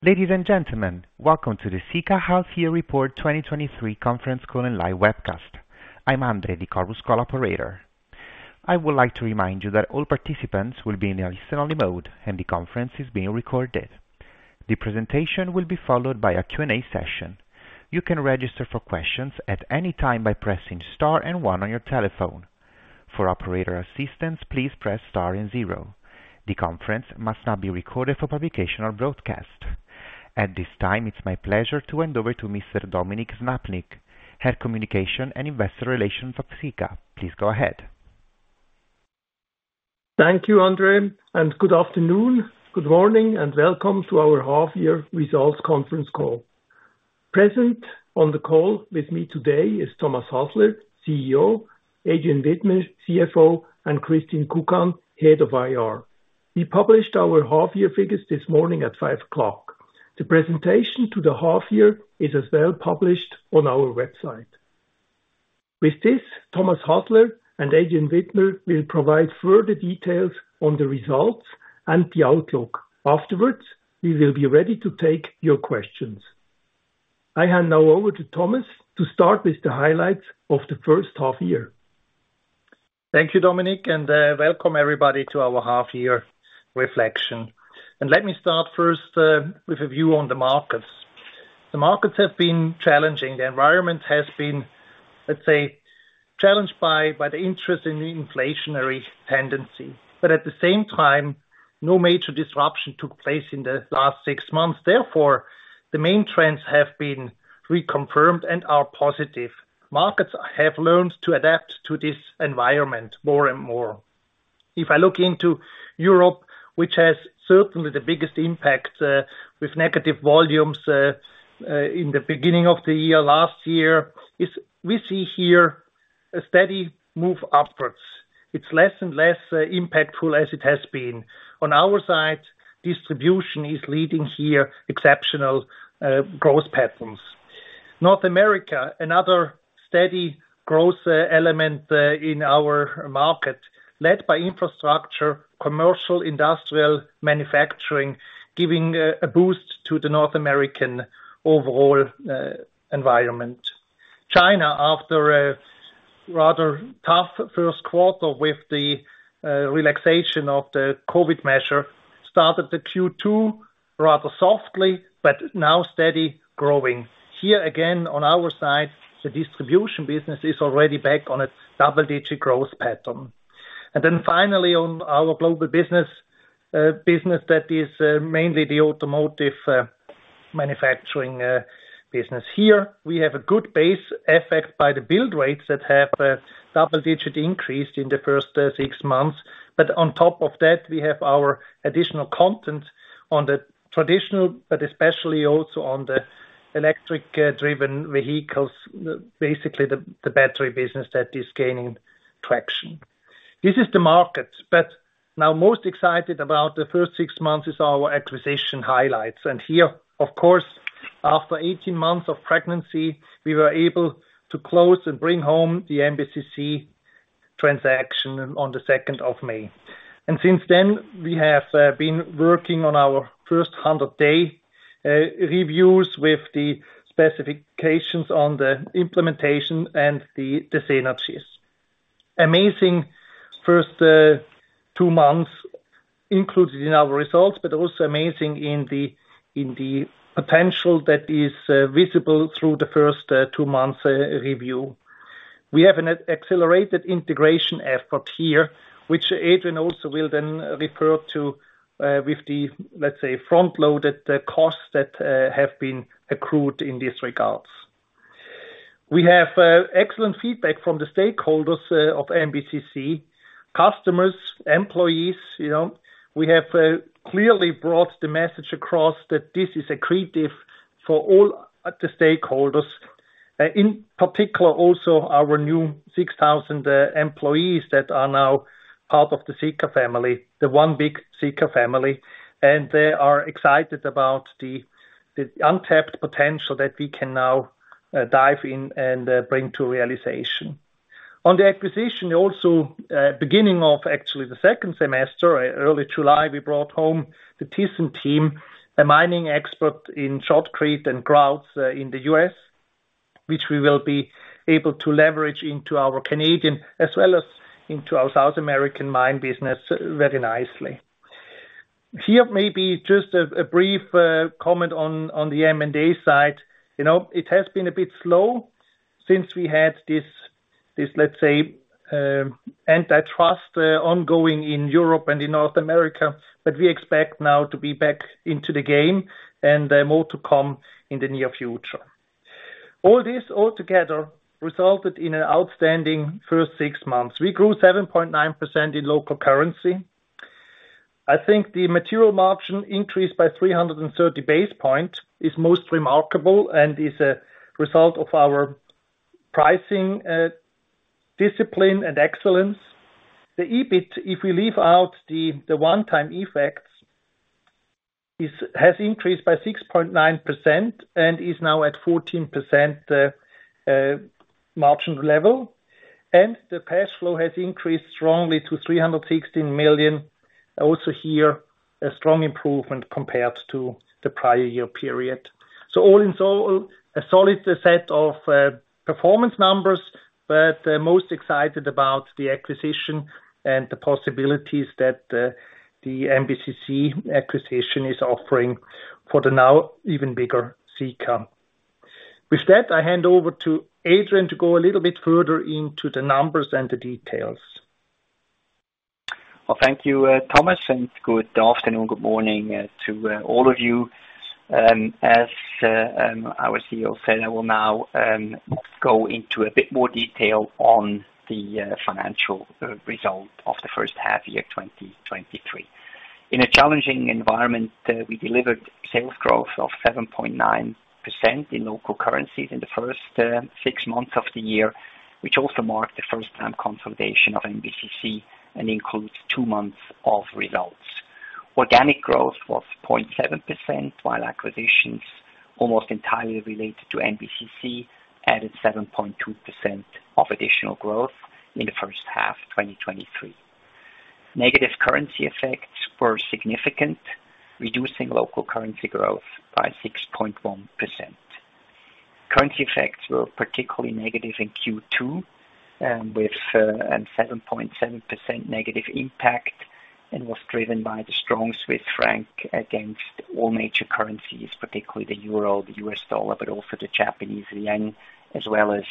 Ladies and gentlemen, welcome to the Sika Half Year Report 2023 conference call and live webcast. I'm Andre, the Chorus Call operator. I would like to remind you that all participants will be in a listen-only mode, and the conference is being recorded. The presentation will be followed by a Q&A session. You can register for questions at any time by pressing star one on your telephone. For operator assistance, please press star zero. The conference must not be recorded for publication or broadcast. At this time, it's my pleasure to hand over to Mr. Dominik Slappnig, Head of Communication and Investor Relations of Sika. Please go ahead. Thank you, Andre. Good afternoon, good morning, and welcome to our half year results conference call. Present on the call with me today is Thomas Hasler, CEO, Adrian Widmer, CFO, and Christine Kukan, Head of IR. We published our half year figures this morning at 5:00 A.M. The presentation to the half year is as well published on our website. With this, Thomas Hasler and Adrian Widmer will provide further details on the results and the outlook. Afterwards, we will be ready to take your questions. I hand now over to Thomas to start with the highlights of the first half year. Thank you, Dominik, and welcome, everybody, to our half year reflection. Let me start first with a view on the markets. The markets have been challenging. The environment has been, let's say, challenged by the interest in the inflationary tendency. At the same time, no major disruption took place in the last six months. The main trends have been reconfirmed and are positive. Markets have learned to adapt to this environment more and more. If I look into Europe, which has certainly the biggest impact with negative volumes in the beginning of the year last year, is we see here a steady move upwards. It's less and less impactful as it has been. On our side, distribution is leading here exceptional growth patterns. North America, another steady growth element in our market, led by infrastructure, commercial, industrial, manufacturing, giving a boost to the North American overall environment. China, after a rather tough first quarter with the relaxation of the COVID measure, started the Q2 rather softly. Now steady growing. Here, again, on our side, the distribution business is already back on its double-digit growth pattern. Finally, on our global business, business that is mainly the automotive manufacturing business. Here, we have a good base effect by the build rates that have a double-digit increase in the first six months. On top of that, we have our additional content on the traditional, but especially also on the electric driven vehicles, basically the battery business that is gaining traction. Now most excited about the first six months is our acquisition highlights. Here, of course, after 18 months of pregnancy, we were able to close and bring home the MBCC transaction on the second of May. Since then, we have been working on our first 100-day reviews with the specifications on the implementation and the synergies. Amazing first two months included in our results, but also amazing in the potential that is visible through the first two months review. We have an accelerated integration effort here, which Adrian also will then refer to, with the, let's say, front-loaded costs that have been accrued in this regards. We have excellent feedback from the stakeholders of MBCC, customers, employees, you know? We have clearly brought the message across that this is accretive for all the stakeholders, in particular, also our new 6,000 employees that are now part of the Sika family, the one big Sika family. They are excited about the, the untapped potential that we can now dive in and bring to realization. On the acquisition, also, beginning of actually the second semester, early July, we brought home the Thiessen Team USA, a mining expert in shotcrete and grouts, in the US, which we will be able to leverage into our Canadian as well as into our South American mine business very nicely. Here, maybe just a brief comment on, on the M&A side. You know, it has been a bit slow since we had this, this, let's say, antitrust ongoing in Europe and in North America, but we expect now to be back into the game and more to come in the near future. All this altogether resulted in an outstanding first six months. We grew 7.9% in local currency. I think the material margin increased by 330 basis points, is most remarkable and is a result of our pricing discipline and excellence. The EBIT, if we leave out the, the one-time effects, has increased by 6.9% and is now at 14% margin level, and the cash flow has increased strongly to 316 million. Also here, a strong improvement compared to the prior year period. All in all, a solid set of performance numbers, but most excited about the acquisition and the possibilities that the MBCC acquisition is offering for the now even bigger Sika. With that, I hand over to Adrian to go a little bit further into the numbers and the details. Well, thank you, Thomas, and good afternoon, good morning, to all of you. As our CEO said, I will now go into a bit more detail on the financial result of the first half-year 2023. In a challenging environment, we delivered sales growth of 7.9% in local currencies in the first six months of the year, which also marked the first time consolidation of MBCC and includes two months of results. Organic growth was 0.7%, while acquisitions, almost entirely related to MBCC, added 7.2% of additional growth in the first half 2023. Negative currency effects were significant, reducing local currency growth by 6.1%. Currency effects were particularly negative in Q2, with a 7.7% negative impact, was driven by the strong Swiss franc against all major currencies, particularly the euro, the US dollar, but also the Japanese yen, as well as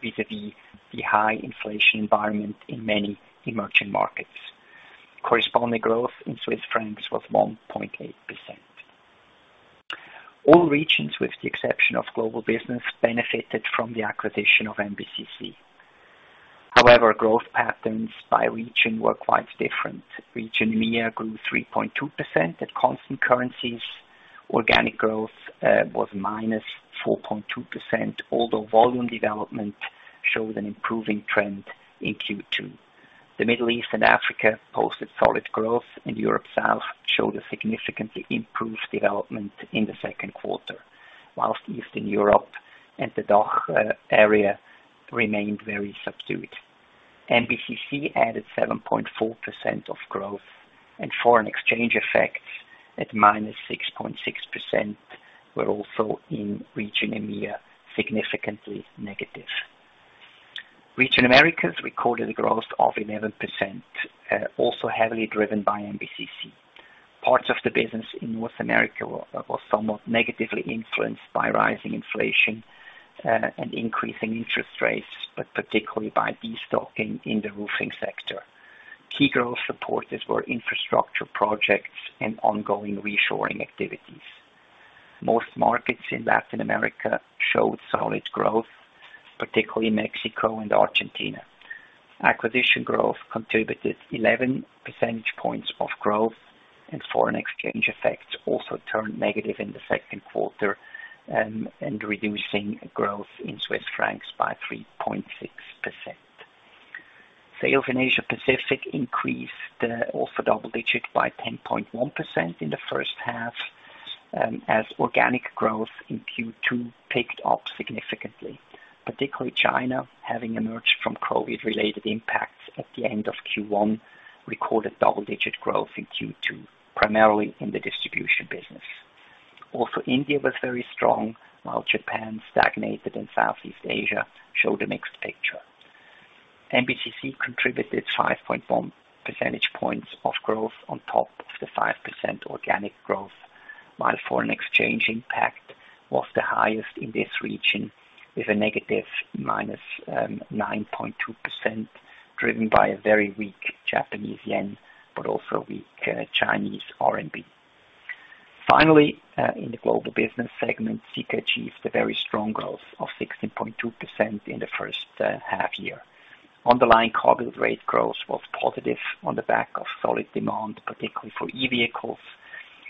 vis-a-vis the high inflation environment in many emerging markets. Corresponding growth in Swiss francs was 1.8%. All regions, with the exception of global business, benefited from the acquisition of MBCC. Growth patterns by region were quite different. Region EMEA grew 3.2% at constant currencies. Organic growth was -4.2%, although volume development showed an improving trend in Q2. The Middle East and Africa posted solid growth, Europe South showed a significantly improved development in the second quarter, whilst Eastern Europe and the DACH area remained very subdued. MBCC added 7.4% of growth, and foreign exchange effects at -6.6% were also in region EMEA, significantly negative. Region Americas recorded a growth of 11%, also heavily driven by MBCC. Parts of the business in North America were somewhat negatively influenced by rising inflation and increasing interest rates, but particularly by destocking in the roofing sector. Key growth supporters were infrastructure projects and ongoing reshoring activities. Most markets in Latin America showed solid growth, particularly Mexico and Argentina. Acquisition growth contributed 11 percentage points of growth, and foreign exchange effects also turned negative in the second quarter, reducing growth in Swiss francs by 3.6%. Sales in Asia Pacific increased, also double digits by 10.1% in the first half, as organic growth in Q2 picked up significantly, particularly China, having emerged from COVID-related impacts at the end of Q1, recorded double-digit growth in Q2, primarily in the distribution business. Also, India was very strong, while Japan stagnated, and Southeast Asia showed a mixed picture. MBCC contributed 5.1 percentage points of growth on top of the 5% organic growth, while foreign exchange impact was the highest in this region, with a negative minus 9.2%, driven by a very weak Japanese yen, but also weak Chinese RMB. Finally, in the global business segment, Sika achieved a very strong growth of 16.2% in the first half year. Underlying cargo rate growth was positive on the back of solid demand, particularly for e-vehicles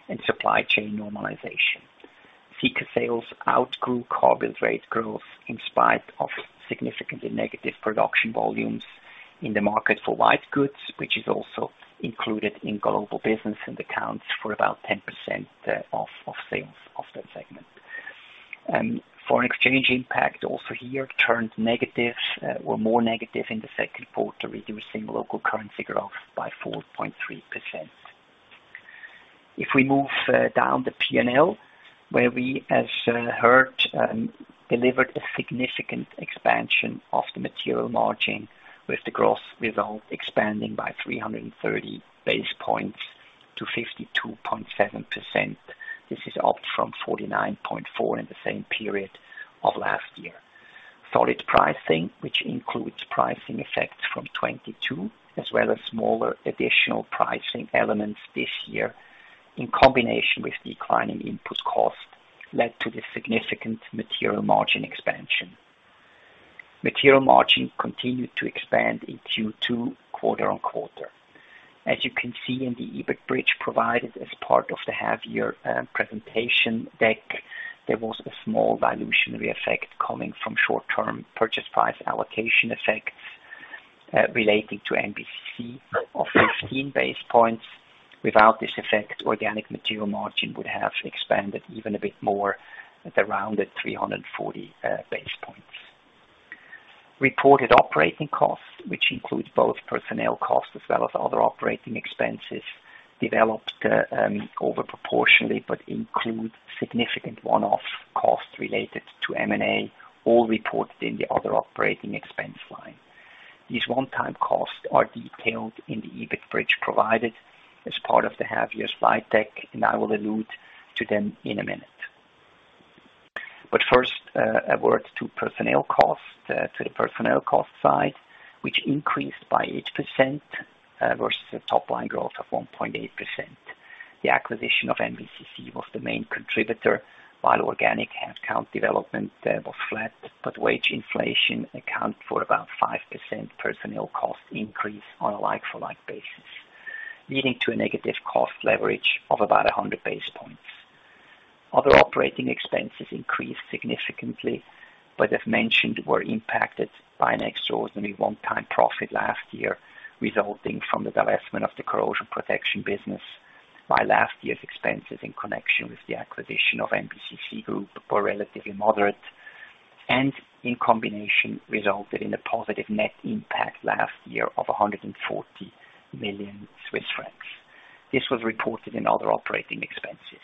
and supply chain normalization. Sika sales outgrew cargo rate growth in spite of significantly negative production volumes in the market for white goods, which is also included in global business and accounts for about 10% of sales of that segment. Foreign exchange impact also here turned negative or more negative in the second quarter, reducing local currency growth by 4.3%. If we move down the P&L, where we, as heard, delivered a significant expansion of the material margin, with the growth result expanding by 330 basis points to 52.7%. This is up from 49.4 in the same period of last year. Solid pricing, which includes pricing effects from 2022, as well as smaller additional pricing elements this year, in combination with declining input costs, led to the significant material margin expansion. Material margin continued to expand in Q2 quarter-on-quarter. As you can see in the EBIT bridge provided as part of the half year presentation deck, there was a small dilutionary effect coming from short-term purchase price allocation effects relating to MBCC of 15 basis points. Without this effect, organic material margin would have expanded even a bit more at around at 340 basis points. Reported operating costs, which includes both personnel costs as well as other operating expenses, developed over proportionally, but include significant one-off costs related to M&A, all reported in the other operating expense line. These one-time costs are detailed in the EBIT bridge provided as part of the half year slide deck. I will allude to them in a minute. First, a word to personnel costs, to the personnel cost side, which increased by 8% versus a top line growth of 1.8%. The acquisition of MBCC was the main contributor, while organic headcount development was flat, wage inflation account for about 5% personnel cost increase on a like-for-like basis, leading to a negative cost leverage of about 100 basis points. Other operating expenses increased significantly, as mentioned, were impacted by an extraordinary one-time profit last year, resulting from the divestment of the Corrosion Protection business. By last year's expenses in connection with the acquisition of MBCC Group were relatively moderate and in combination, resulted in a positive net impact last year of 140 million Swiss francs. This was reported in other operating expenses.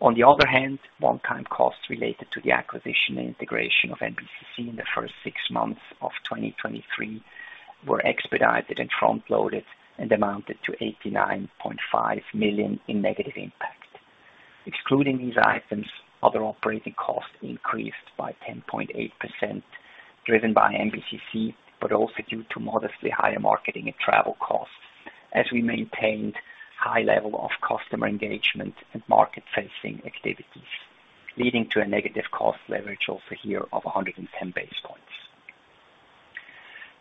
On the other hand, one-time costs related to the acquisition and integration of MBCC in the 6 months of 2023 were expedited and front-loaded and amounted to 89.5 million in negative impact. Excluding these items, other operating costs increased by 10.8%, driven by MBCC, but also due to modestly higher marketing and travel costs, as we maintained high level of customer engagement and market-facing activities, leading to a negative cost leverage also here of 110 basis points.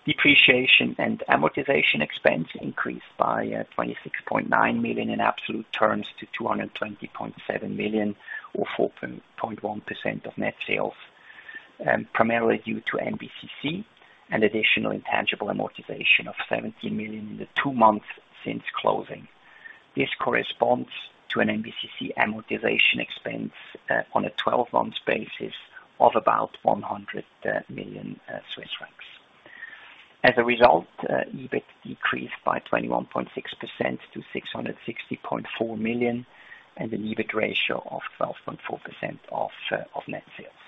Depreciation and amortization expense increased by 26.9 million in absolute terms to 220.7 million, or 4.1% of net sales, primarily due to MBCC and additional intangible amortization of 17 million in the 2 months since closing. This corresponds to an MBCC amortization expense on a 12-month basis of about 100 million Swiss francs. As a result, EBIT decreased by 21.6% to 660.4 million, and an EBIT ratio of 12.4% of net sales.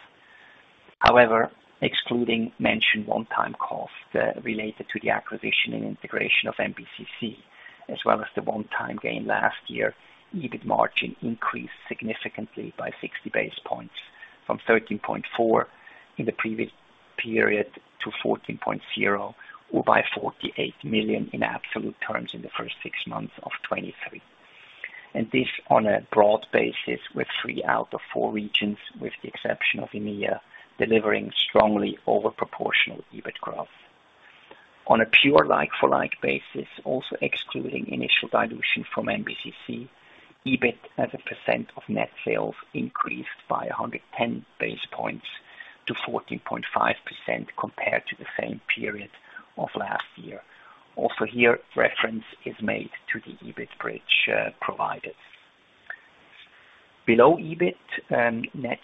However, excluding mentioned one-time costs related to the acquisition and integration of MBCC, as well as the one-time gain last year, EBIT margin increased significantly by 60 basis points, from 13.4% in the previous period to 14.0%, or by 48 million in absolute terms in the first six months of 2023. This on a broad basis, with three out of four regions, with the exception of EMEA, delivering strongly over proportional EBIT growth. On a pure like-for-like basis, also excluding initial dilution from MBCC, EBIT as a % of net sales increased by 110 basis points to 14.5% compared to the same period of last year. Also here, reference is made to the EBIT bridge provided. Below EBIT, net,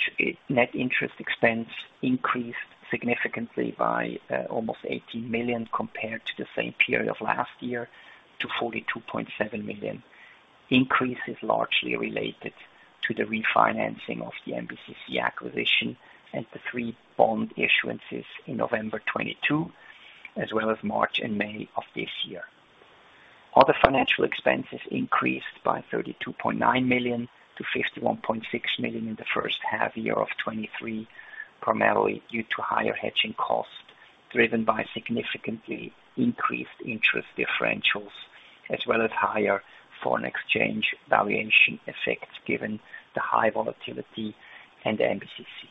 net interest expense increased significantly by almost 18 million compared to the same period of last year to 42.7 million. Increase is largely related to the refinancing of the MBCC acquisition and the three bond issuances in November 2022, as well as March and May of this year. Other financial expenses increased by 32.9 million to 51.6 million in the first half year of 2023, primarily due to higher hedging costs, driven by significantly increased interest differentials, as well as higher foreign exchange valuation effects, given the high volatility and MBCC.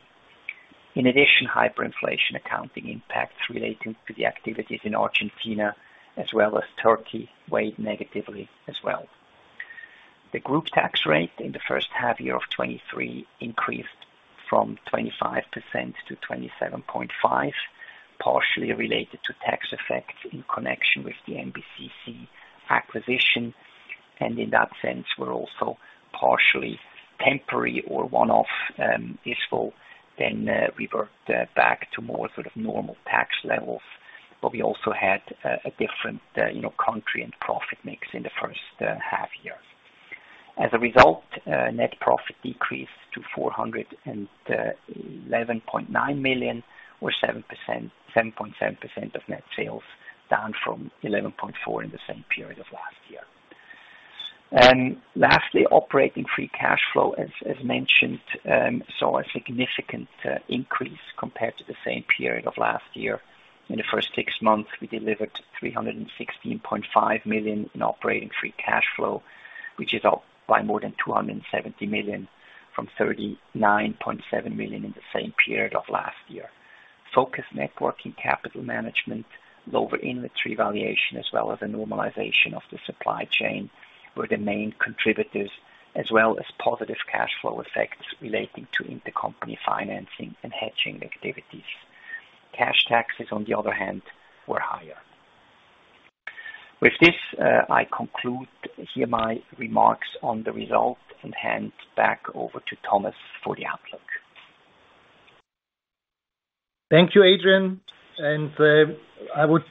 In addition, hyperinflation accounting impacts relating to the activities in Argentina as well as Turkey, weighed negatively as well. The group tax rate in the first half year of 2023 increased from 25% to 27.5%, partially related to tax effects in connection with the MBCC acquisition, and in that sense, were also partially temporary or one-off, useful. We worked back to more sort of normal tax levels, but we also had a different, you know, country and profit mix in the first half year. As a result, net profit decreased to 411.9 million, or 7.7% of net sales, down from 11.4% in the same period of last year. Lastly, operating free cash flow, as mentioned, saw a significant increase compared to the same period of last year. In the first six months, we delivered 316.5 million in operating free cash flow, which is up by more than 270 million, from 39.7 million in the same period of last year. Focused networking, capital management, lower inventory valuation, as well as a normalization of the supply chain, were the main contributors, as well as positive cash flow effects relating to intercompany financing and hedging activities. Cash taxes, on the other hand, were higher. With this, I conclude here my remarks on the result and hand back over to Thomas for the outlook. Thank you, Adrian. I would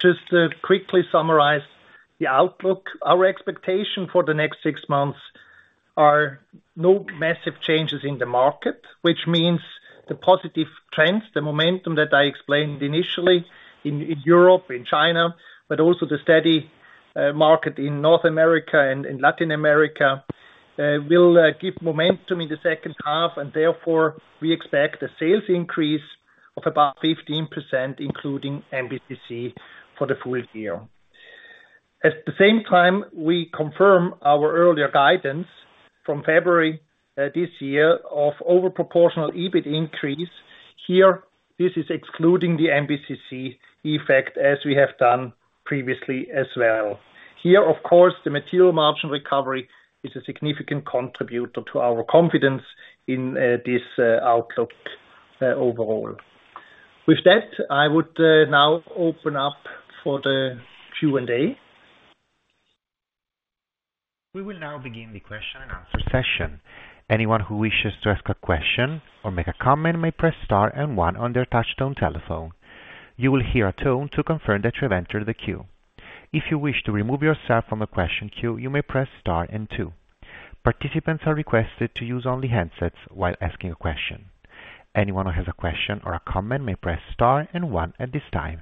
just quickly summarize the outlook. Our expectation for the next 6 months are no massive changes in the market, which means the positive trends, the momentum that I explained initially in Europe, in China, but also the steady market in North America and in Latin America, will give momentum in the second half, and therefore, we expect a sales increase of about 15%, including MBCC, for the full year. At the same time, we confirm our earlier guidance from February this year of over proportional EBIT increase. Here, this is excluding the MBCC effect, as we have done previously as well. Here, of course, the material margin recovery is a significant contributor to our confidence in this outlook overall. With that, I would now open up for the Q&A. We will now begin the question and answer session. Anyone who wishes to ask a question or make a comment may press star and one on their touchtone telephone. You will hear a tone to confirm that you have entered the queue. If you wish to remove yourself from the question queue, you may press star and two. Participants are requested to use only handsets while asking a question. Anyone who has a question or a comment may press star and one at this time.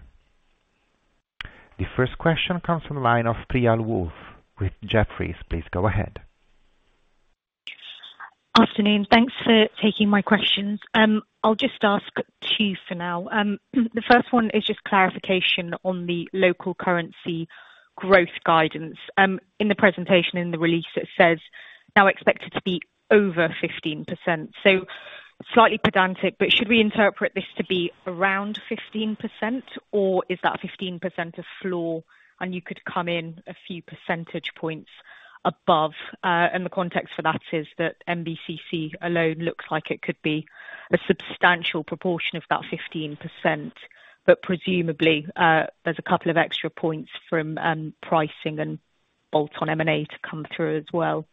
The first question comes from the line of Priyal Woolf with Jefferies. Please go ahead. Afternoon. Thanks for taking my questions. I'll just ask two for now. The first one is just clarification on the local currency growth guidance. In the presentation, in the release, it says, "Now expected to be over 15%." Slightly pedantic, but should we interpret this to be around 15%, or is that a 15% of floor, and you could come in a few percentage points above? The context for that is that MBCC alone looks like it could be a substantial proportion of that 15%. Presumably, there's a couple of extra points from pricing and bolt-on M&A to come through as well.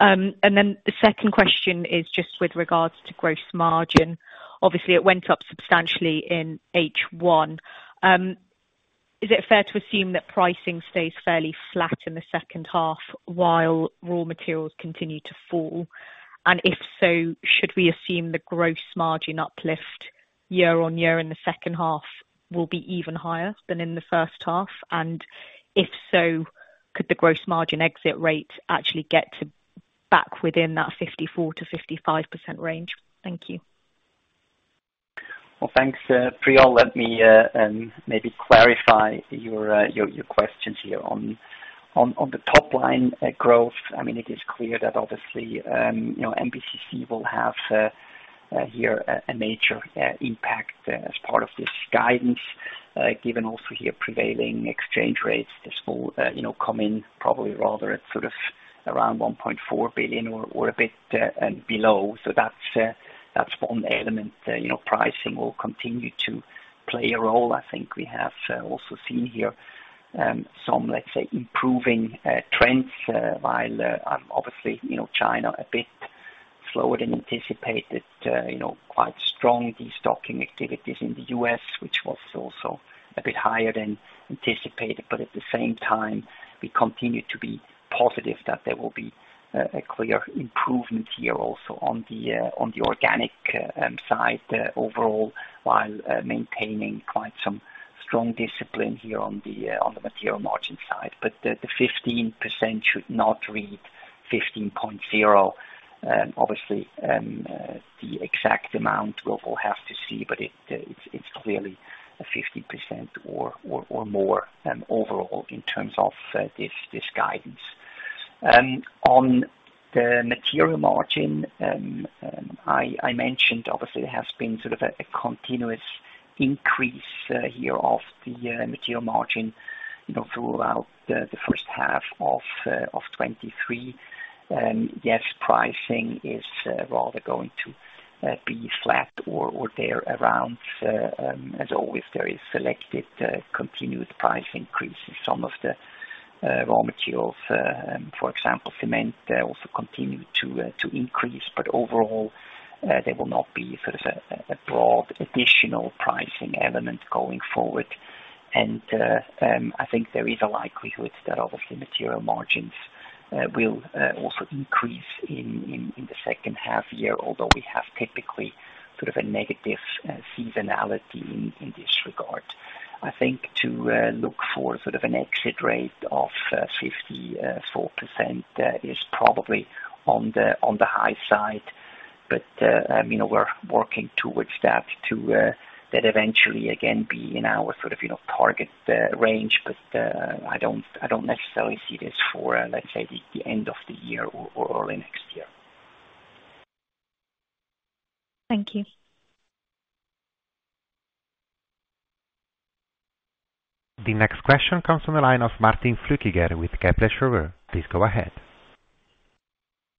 The second question is just with regards to gross margin. Obviously, it went up substantially in H1. Is it fair to assume that pricing stays fairly flat in the second half, while raw materials continue to fall? And if so, should we assume the gross margin uplift year-on-year in the second half will be even higher than in the first half? And if so, could the gross margin exit rate actually get to back within that 54%-55% range? Thank you. Well, thanks, Priyal. Let me maybe clarify your, your, your questions here. On, on, on the top line, growth, I mean, it is clear that obviously, you know, MBCC will have here a major impact as part of this guidance, given also here prevailing exchange rates, this will, you know, come in probably rather at sort of around 1.4 billion or, or a bit and below. That's one element. You know, pricing will continue to play a role. I think we have also seen here some, let's say, improving trends, while obviously, you know, China a bit slower than anticipated, you know, quite strong destocking activities in the U.S., which was also a bit higher than anticipated. At the same time, we continue to be positive that there will be a clear improvement here also on the organic side overall, while maintaining quite some strong discipline here on the material margin side. The 15% should not read 15.0. Obviously, the exact amount we will have to see, but it's clearly a 15% or, or, or more overall, in terms of this guidance. On the material margin, I mentioned obviously there has been sort of a continuous increase here of the material margin, you know, throughout the first half of 2023. Yes, pricing is rather going to be flat or there around. Uh, um, as always, there is selected, uh, continued price increases. Some of the, uh, raw materials, uh, um, for example, cement, uh, also continue to, uh, to increase, but overall, uh, they will not be sort of a, a broad additional pricing element going forward. And, uh, um, I think there is a likelihood that obviously, material margins, uh, will, uh, also increase in, in, in the second half year, although we have typically sort of a negative, uh, seasonality in, in this regard. I think to, uh, look for sort of an exit rate of, uh, fifty, uh, four percent, uh, is probably on the, on the high side. But, uh, um, you know, we're working towards that to, uh, that eventually again, be in our sort of, you know, target, uh, range. I don't, I don't necessarily see this for, let's say, the, the end of the year or, or early next year. Thank you. The next question comes from the line of Martin Flueckiger with Credit Suisse. Please go ahead.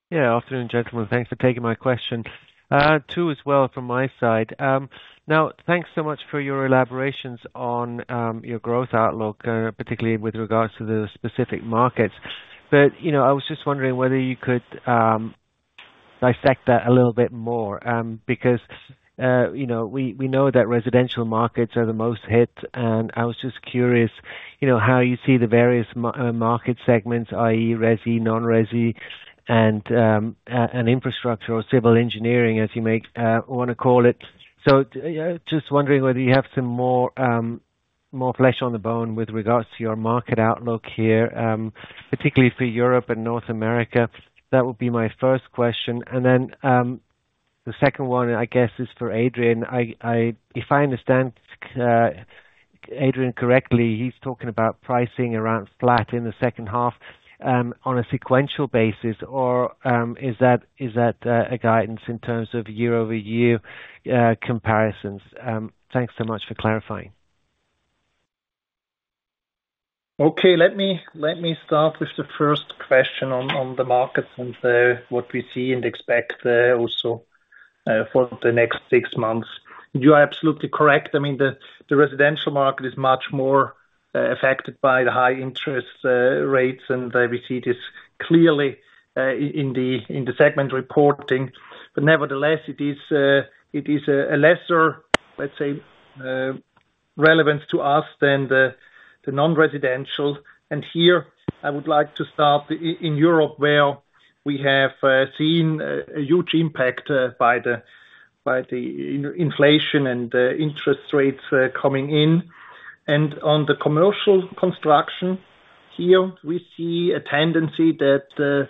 Yeah, afternoon, gentlemen. Thanks for taking my question. two as well from my side. Now, thanks so much for your elaborations on your growth outlook, particularly with regards to the specific markets. You know, I was just wondering whether you could dissect that a little bit more, because, you know, we, we know that residential markets are the most hit, and I was just curious, you know, how you see the various mar- market segments, i.e., resi, non-resi, and infrastructure or civil engineering, as you make wanna call it. Just wondering whether you have some more flesh on the bone with regards to your market outlook here, particularly for Europe and North America. That would be my first question. Then, the second one, I guess, is for Adrian. I, I, if I understand Adrian correctly, he's talking about pricing around flat in the 2nd half, on a sequential basis, or, is that, is that, a guidance in terms of year-over-year comparisons? Thanks so much for clarifying. Okay, let me, let me start with the first question on, on the markets and what we see and expect also for the next six months. You are absolutely correct. I mean the, the residential market is much more affected by the high interest rates, and we see this clearly in the, in the segment reporting. But nevertheless, it is, it is a lesser, let's say, relevance to us than the, the non-residential. And here I would like to start in Europe, where we have seen a huge impact by the, by the inflation and interest rates coming in. And on the commercial construction here, we see a tendency that the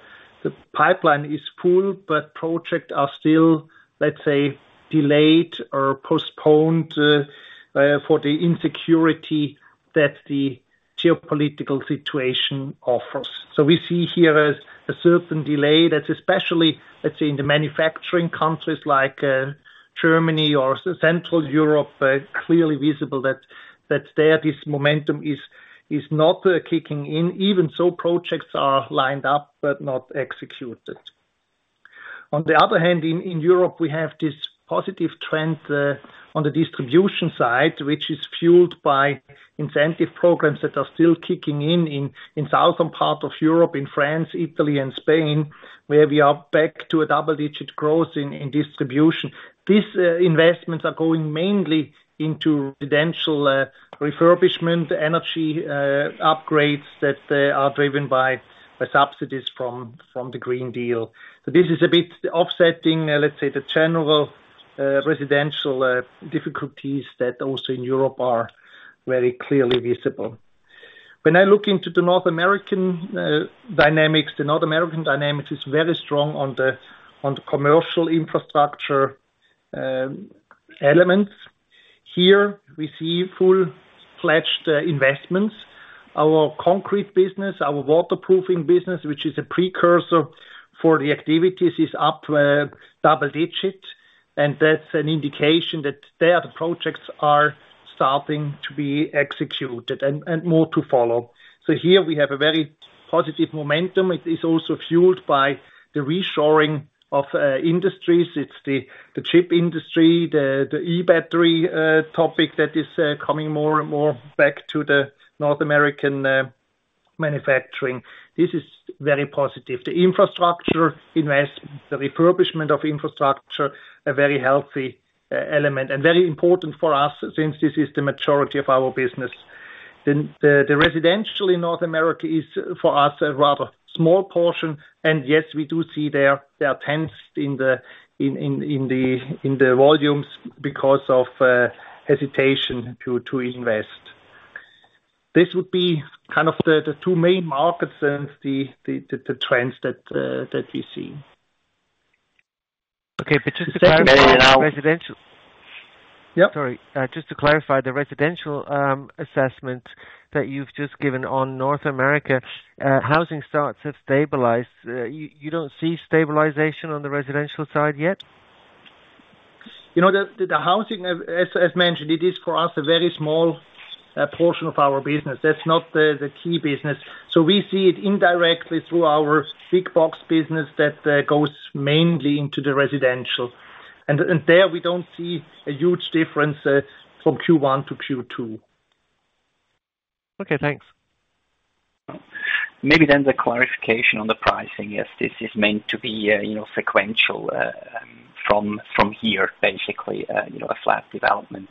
pipeline is full, but projects are still, let's say, delayed or postponed for the insecurity that the geopolitical situation offers. We see here a certain delay that especially, let's say, in the manufacturing countries like Germany or Central Europe, are clearly visible that there this momentum is not kicking in, even so projects are lined up but not executed. On the other hand, in Europe, we have this positive trend on the distribution side, which is fueled by incentive programs that are still kicking in in southern part of Europe, in France, Italy, and Spain, where we are back to a double-digit growth in distribution. These investments are going mainly into residential refurbishment, energy upgrades that are driven by the subsidies from the Green Deal. This is a bit offsetting, let's say, the general residential difficulties that also in Europe are very clearly visible. When I look into the North American dynamics, the North American dynamics is very strong on the commercial infrastructure elements. Here we see full-fledged investments. Our concrete business, our waterproofing business, which is a precursor for the activities, is up to double-digit, and that's an indication that there the projects are starting to be executed, and more to follow. Here we have a very positive momentum. It is also fueled by the reshoring of industries. It's the chip industry, the E-battery topic that is coming more and more back to the North American manufacturing. This is very positive. The infrastructure investments, the refurbishment of infrastructure, a very healthy element, and very important for us, since this is the majority of our business. The residential in North America is, for us, a rather small portion, and yes, we do see there there are tents in the volumes because of hesitation to invest. This would be kind of the two main markets and the trends that we see. Okay, just to clarify- Thank you very much. Residential. Yeah. Sorry, just to clarify the residential assessment that you've just given on North America, housing starts have stabilized. You, you don't see stabilization on the residential side yet? You know, the, the housing as, as mentioned, it is for us a very small portion of our business. That's not the, the key business. We see it indirectly through our big box business that goes mainly into the residential. There, we don't see a huge difference from Q1 to Q2. Okay, thanks. Maybe then the clarification on the pricing, as this is meant to be, you know, sequential, from, from here, basically, you know, a flat development.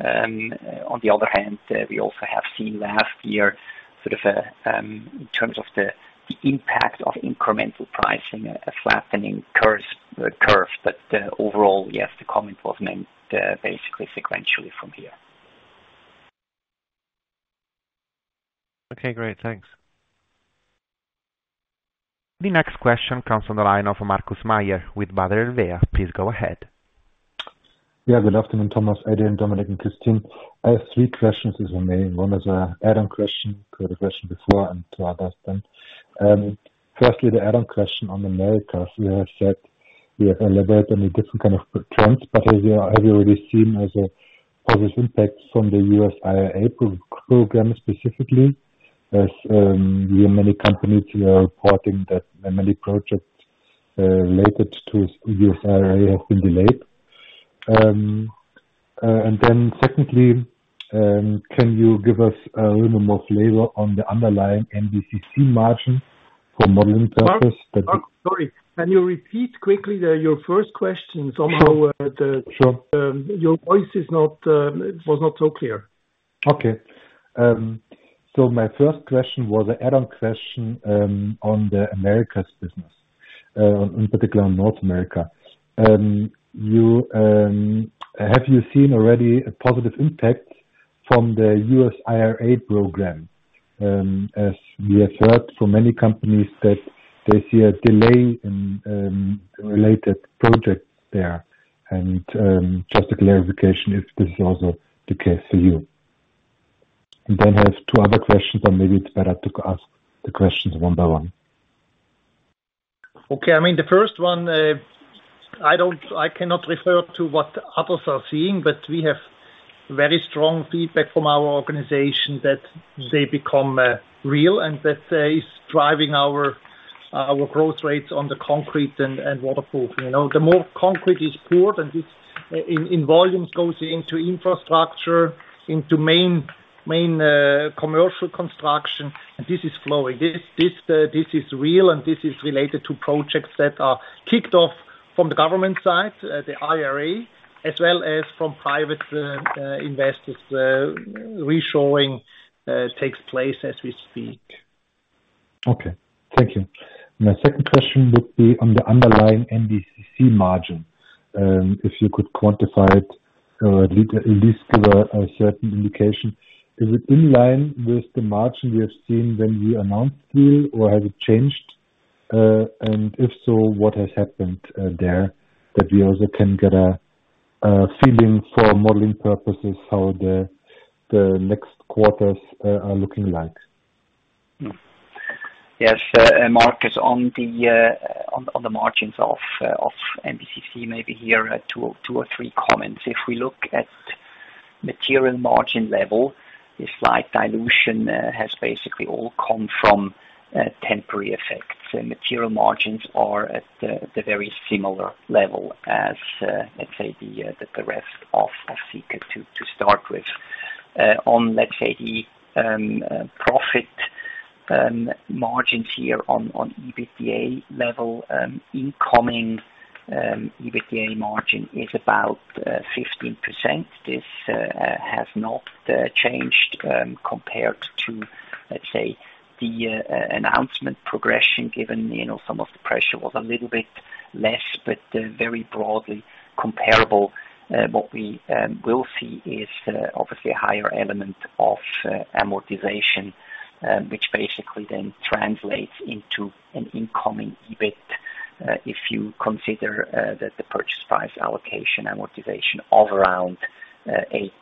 On the other hand, we also have seen last year sort of, in terms of the, the impact of incremental pricing, a flattening curve, curve, but, overall, yes, the comment was meant, basically sequentially from here. Okay, great. Thanks. The next question comes from the line of Markus Mayer with Baader Bank. Please go ahead. Yeah, good afternoon, Thomas, Adrian, Dominik, and Christine. I have three questions this morning. One is a add-on question, for the question before and two other then. Firstly, the add-on question on Americas. We have elaborate on a different kind of trends, but as you have, have you already seen as a positive impact from the US IRA program specifically, as we have many companies who are reporting that many projects related to US IRA have been delayed? Secondly, can you give us a little more flavor on the underlying MBCC margin for modeling purpose? Mark, sorry, can you repeat quickly there your first question? Somehow, the- Sure. Your voice is not, was not so clear. Okay. My first question was a add-on question on the Americas business, in particular, North America. You, have you seen already a positive impact from the U.S. IRA program? As we have heard from many companies that they see a delay in related projects there, and just a clarification if this is also the case for you. I have 2 other questions, or maybe it's better to ask the questions 1 by 1. Okay. I mean, the first one, I cannot refer to what others are seeing, but we have very strong feedback from our organization that they become real and that is driving our, our growth rates on the concrete and, and waterproofing. You know, the more concrete is poured and this in, in volumes goes into infrastructure, into main, main, commercial construction, and this is flowing. This, this, this is real, and this is related to projects that are kicked off from the government side, the IRA, as well as from private, investors, reshowing, takes place as we speak. Okay, thank you. My second question would be on the underlying MBCC margin. If you could quantify it, at least, give a certain indication. Is it in line with the margin we have seen when we announced it, or has it changed? If so, what has happened there, that we also can get a feeling for modeling purposes, how the next quarters are looking like? Yes, Markus, on the margins of MBCC, maybe hear two, two or three comments. If we look at material margin level, the slight dilution has basically all come from temporary effects. The material margins are at the very similar level as let's say, the rest of Sika to start with. On, let's say the profit margins here on EBITDA level, incoming EBITDA margin is about 15%. This has not changed compared to, let's say, the announcement progression given, you know, some of the pressure was a little bit less, but very broadly comparable. What we will see is obviously a higher element of amortization, which basically then translates into an incoming EBIT. If you consider that the purchase price allocation amortization of around 8%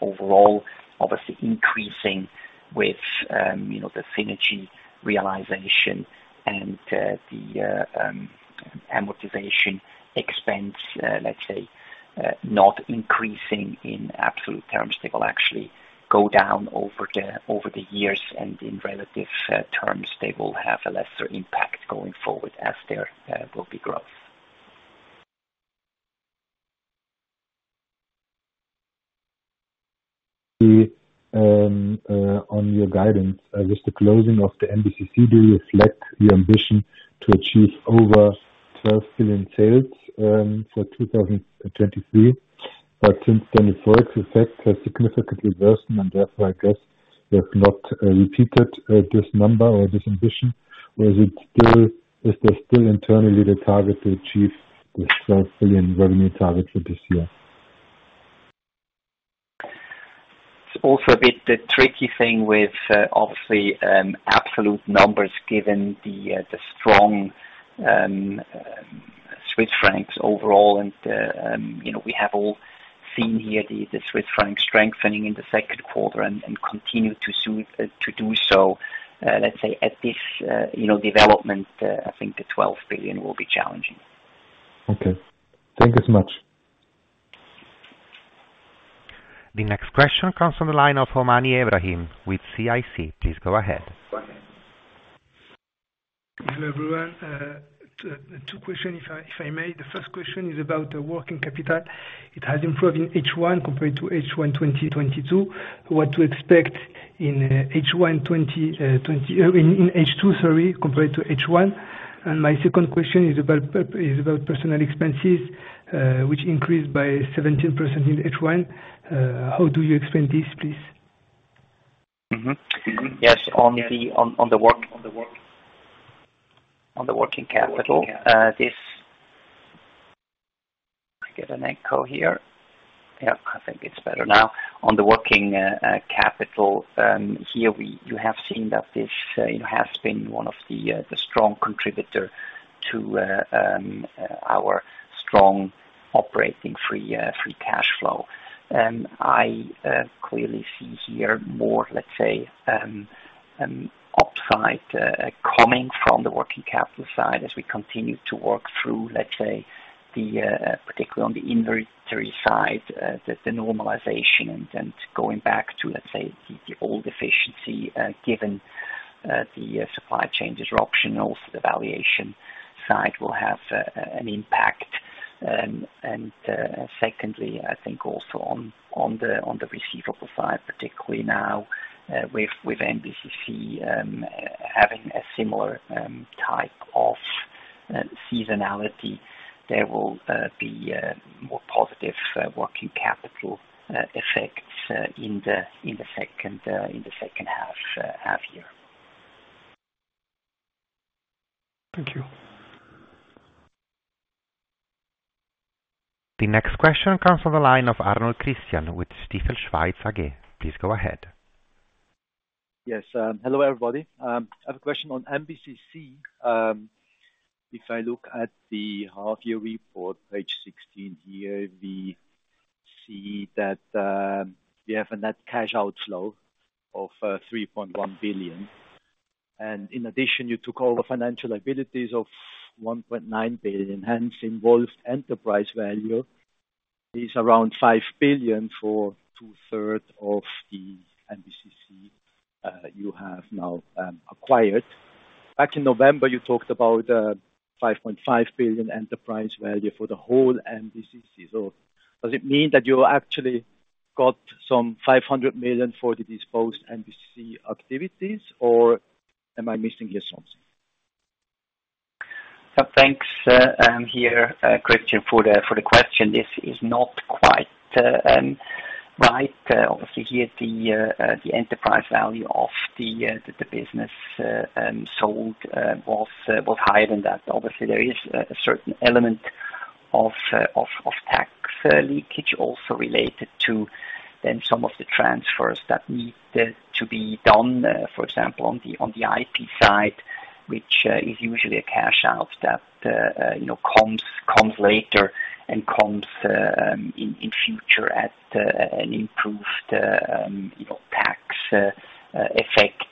overall, obviously increasing with, you know, the synergy realization and the amortization expense, let's say, not increasing in absolute terms. They will actually go down over the years, and in relative terms, they will have a lesser impact going forward as there will be growth. The on your guidance with the closing of the MBCC, do you reflect the ambition to achieve over 12 billion sales for 2023? Since then, the Forex effect has significantly worsened, and therefore, I guess you have not repeated this number or this ambition, or is it still, is there still internally the target to achieve this 12 billion revenue target for this year? It's also a bit the tricky thing with, obviously, absolute numbers given the strong Swiss franc overall. You know, we have all seen here the Swiss franc strengthening in the second quarter and continue to soon to do so. Let's say at this, you know, development, I think the 12 billion will be challenging. Okay, thank you so much. The next question comes from the line of Ebrahim Homsi with CIC. Please go ahead. Hello, everyone. Two questions, if I, if I may. The first question is about the working capital. It has improved in H1 compared to H1 2022. What to expect in H2, sorry, compared to H1? My second question is about personal expenses, which increased by 17% in H1. How do you explain this, please? Mm-hmm. Yes, on the on, on the work, on the work, on the working capital, this... I get an echo here. Yeah, I think it's better now. On the working capital, here we -- you have seen that this, you know, has been one of the strong contributor to strong operating free free cash flow. I clearly see here more, let's say, upside coming from the working capital side as we continue to work through, let's say, the particularly on the inventory side, the normalization and going back to, let's say, the old efficiency, given the supply chain disruption, also the valuation side will have an impact. Secondly, I think also on, on the, on the receivable side, particularly now, with, with MBCC, having a similar, type of, seasonality, there will, be, more positive, working capital, effects, in the, in the second, in the second half, half year. Thank you. The next question comes from the line of Christian Arnold with Stifel. Please go ahead. Yes, hello, everybody. I have a question on MBCC. If I look at the half-year report, page 16, here, we see that we have a net cash outflow of 3.1 billion. In addition, you took over financial liabilities of 1.9 billion, hence involved enterprise value is around 5 billion for two-third of the MBCC you have now acquired. Back in November, you talked about 5.5 billion enterprise value for the whole MBCC. Does it mean that you actually got some 500 million for the disposed MBCC activities, or am I missing here something? Thanks, here, Christian, for the question. This is not quite right. Obviously, here, the enterprise value of the business sold was higher than that. Obviously, there is a certain element of of tax leakage also related to then some of the transfers that need to be done, for example, on the IT side, which is usually a cash out that, you know, comes later and comes in future at an improved, you know, tax effect,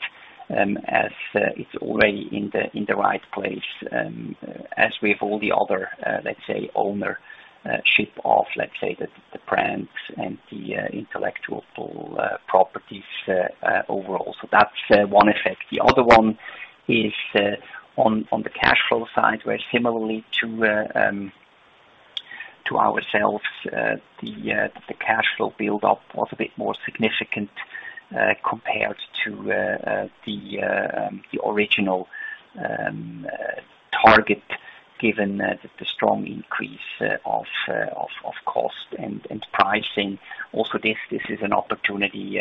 as it's already in the right place, as with all the other, let's say, ownership of, let's say, the brands and the intellectual properties overall. That's one effect. The other one is on, on the cash flow side, where similarly to ourselves, the, the cash flow build-up was a bit more significant compared to the, the original target, given the strong increase of, of, of cost and, and pricing. This, this is an opportunity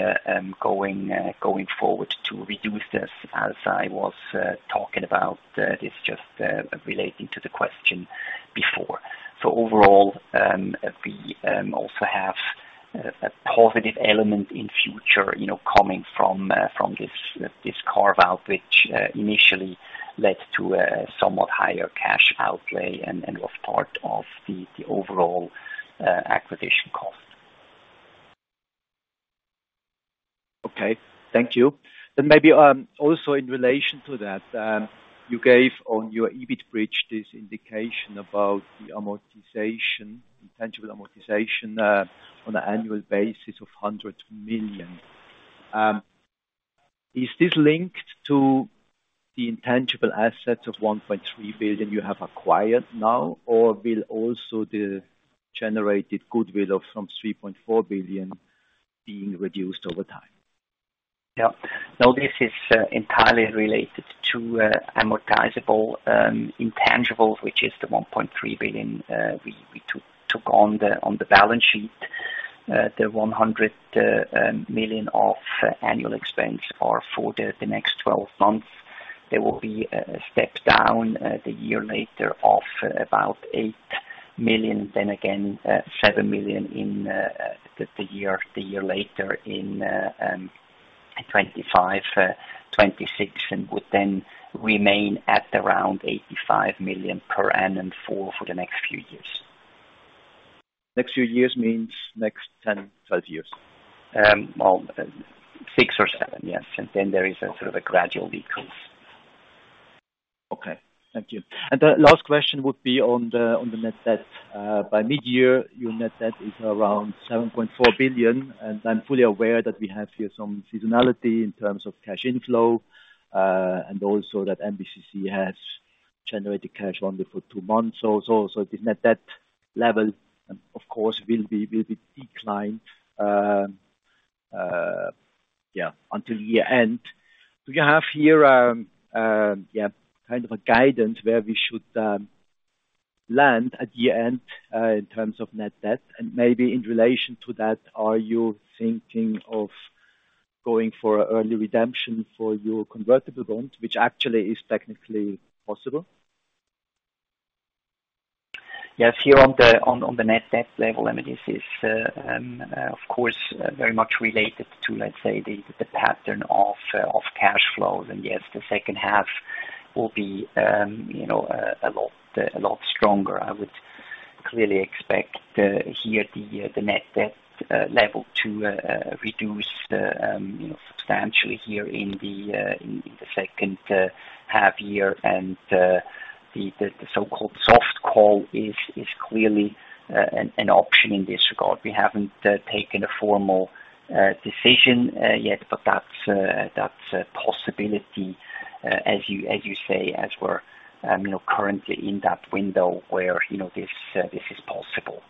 going forward to reduce this, as I was talking about this just relating to the question before. Overall, we also have a positive element in future, you know, coming from this, this carve-out, which initially led to a, a somewhat higher cash outlay and, and was part of the, the overall acquisition cost. Okay, thank you. Maybe, also in relation to that, you gave on your EBIT bridge this indication about the amortization, intangible amortization, on an annual basis of 100 million. Is this linked to the intangible assets of 1.3 billion you have acquired now, or will also the generated goodwill of some 3.4 billion being reduced over time? Yeah. No, this is entirely related to amortizable intangibles, which is the 1.3 billion we took on the balance sheet. The 100 million of annual expense are for the next 12 months. There will be a step down the year later of about 8 million, then again 7 million in the year, the year later in 2025, 2026, and would then remain at around 85 million per annum for the next few years. Next few years means next 10, 12 years? Well, 6 or 7, yes, and then there is a sort of a gradual decrease. Okay, thank you. The last question would be on the net debt. By mid-year, your net debt is around 7.4 billion, and I'm fully aware that we have here some seasonality in terms of cash inflow, and also that MBCC has generated cash only for two months. The net debt level, of course, will be declined until year-end. Do you have here kind of a guidance where we should land at year-end in terms of nt debt? Maybe in relation to that, are you thinking of going for an early redemption for your convertible bonds, which actually is technically possible? Yes, here on the, on, on the net debt level, I mean, this is, of course, very much related to, let's say, the, the pattern of, of cash flows, and yes, the second half will be, you know, a, a lot, a lot stronger. I clearly expect here the, the net debt level to reduce, you know, substantially here in the, in, in the second half year. The, the, the so-called soft call is, is clearly an, an option in this regard. We haven't taken a formal decision yet, but that's, that's a possibility, as you, as you say, as we're, you know, currently in that window where, you know, this, this is possible.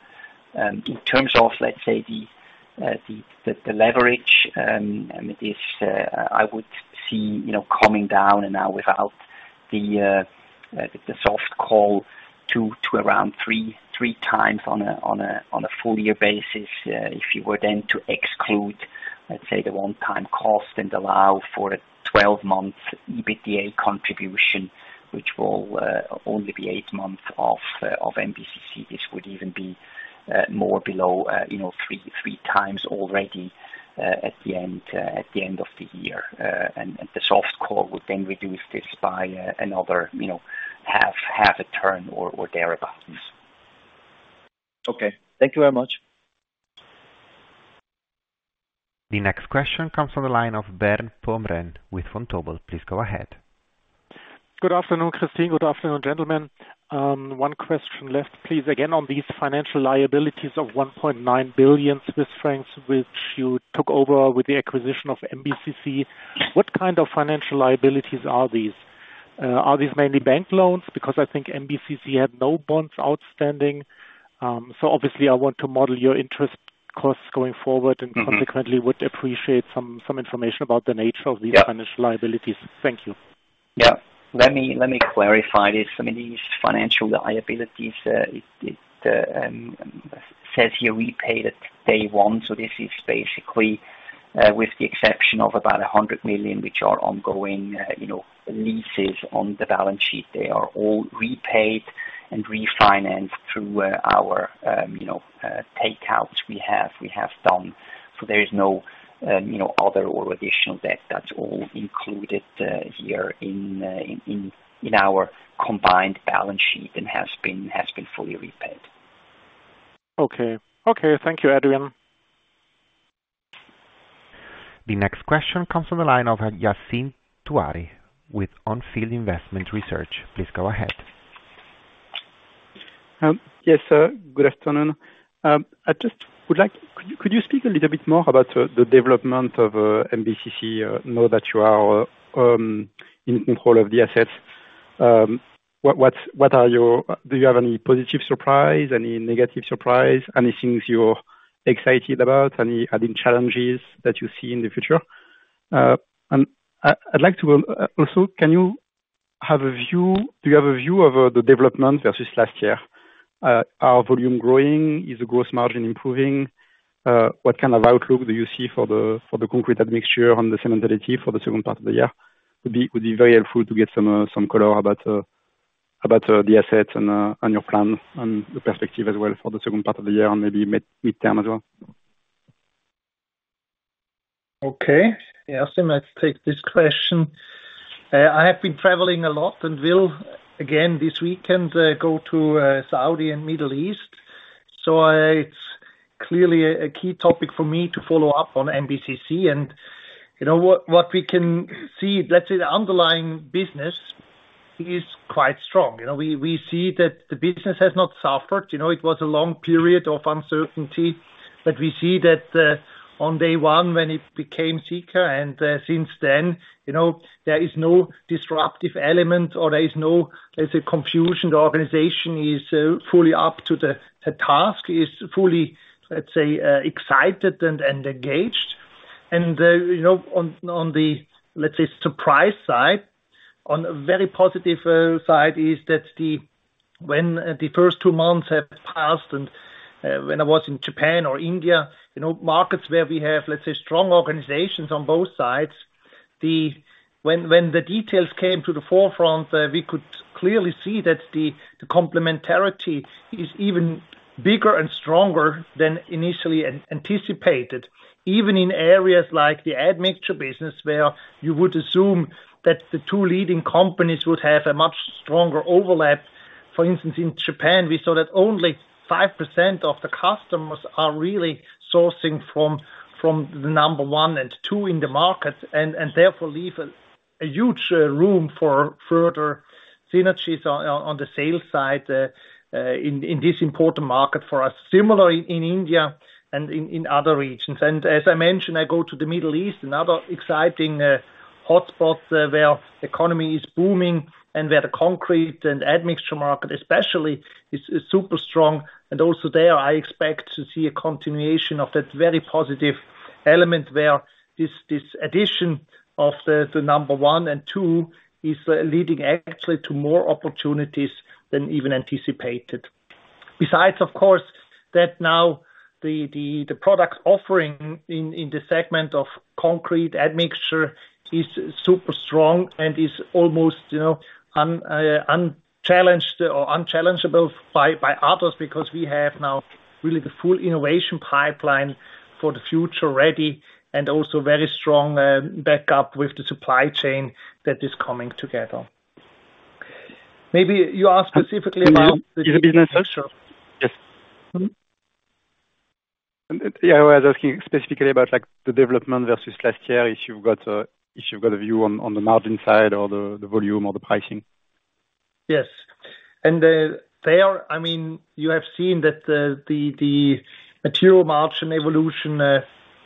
In terms of, let's say, the leverage, and this, I would see, you know, coming down and now without the soft call to around 3.3 times on a full year basis. If you were then to exclude, let's say, the one-time cost and allow for a 12-month EBITDA contribution, which will only be 8 months of MBCC, this would even be more below, you know, 3.3 times already, at the end of the year. The soft call would then reduce this by another, you know, 0.5 turns or thereabouts. Okay. Thank you very much. The next question comes from the line of Bernd Pomrehn with Vontobel. Please go ahead. Good afternoon, Christine. Good afternoon, gentlemen. One question left, please. Again, on these financial liabilities of 1.9 billion Swiss francs, which you took over with the acquisition of MBCC. What kind of financial liabilities are these? Are these mainly bank loans? Because I think MBCC had no bonds outstanding. So obviously I want to model your interest costs going forward. Mm-hmm. consequently, would appreciate some, some information about the nature of these- Yeah. financial liabilities. Thank you. Yeah. Let me, let me clarify this. I mean, these financial liabilities, it, it, says here repaid at day one, so this is basically, with the exception of about 100 million, which are ongoing, you know, leases on the balance sheet. They are all repaid and refinanced through, our, you know, takeouts we have, we have done. There is no, you know, other or additional debt. That's all included, here in, in, in, in our combined balance sheet and has been, has been fully repaid. Okay. Okay, thank you, Adrian. The next question comes from the line of Yassine Touahri with On Field Investment Research. Please go ahead. Yes, sir. Good afternoon. Could you speak a little bit more about the development of MBCC, now that you are in control of the assets? Do you have any positive surprise, any negative surprise, anything you're excited about? Any added challenges that you see in the future? I'd like to also, do you have a view of the development versus last year? Are volume growing? Is the gross margin improving? What kind of outlook do you see for the concrete admixture on the cementitious for the second part of the year? Would be very helpful to get some, some color about, the assets and your plan, and the perspective as well for the second part of the year and maybe midterm as well. Okay. Yassine, I take this question. I have been traveling a lot and will again this weekend go to Saudi and Middle East. It's clearly a key topic for me to follow up on MBCC, and, you know, what, what we can see, let's say the underlying business is quite strong. You know, we, we see that the business has not suffered. You know, it was a long period of uncertainty, but we see that on day one, when it became Sika, and since then, you know, there is no disruptive element or there's a confusion. The organization is fully up to the task, is fully, let's say, excited and engaged. You know, on, on the, let's say, surprise side, on a very positive side is that when the first two months have passed and when I was in Japan or India, you know, markets where we have, let's say, strong organizations on both sides, when the details came to the forefront, we could clearly see that the complementarity is even bigger and stronger than initially anticipated. Even in areas like the admixture business, where you would assume that the two leading companies would have a much stronger overlap. For instance, in Japan, we saw that only 5% of the customers are really sourcing from, from the number one and two in the market, and, and therefore leave a, a huge room for further synergies on, on, on the sales side in, in this important market for us. Similar in, in India and in, in other regions. As I mentioned, I go to the Middle East, another exciting hotspot where economy is booming and where the concrete and admixture market especially is, is super strong. Also there, I expect to see a continuation of that very positive element, where this, this addition of the, the number one and two is leading actually to more opportunities than even anticipated. Of course, that now the product offering in, in the segment of concrete admixture is super strong and is almost, you know, unchallenged or unchallengeable by, by others, because we have now really the full innovation pipeline for the future ready, and also very strong backup with the supply chain that is coming together. Maybe you ask specifically about the business mixture? Yes. Yeah, I was asking specifically about like the development versus last year, if you've got a, if you've got a view on, on the margin side or the, the volume or the pricing. Yes. I mean, you have seen that the material margin evolution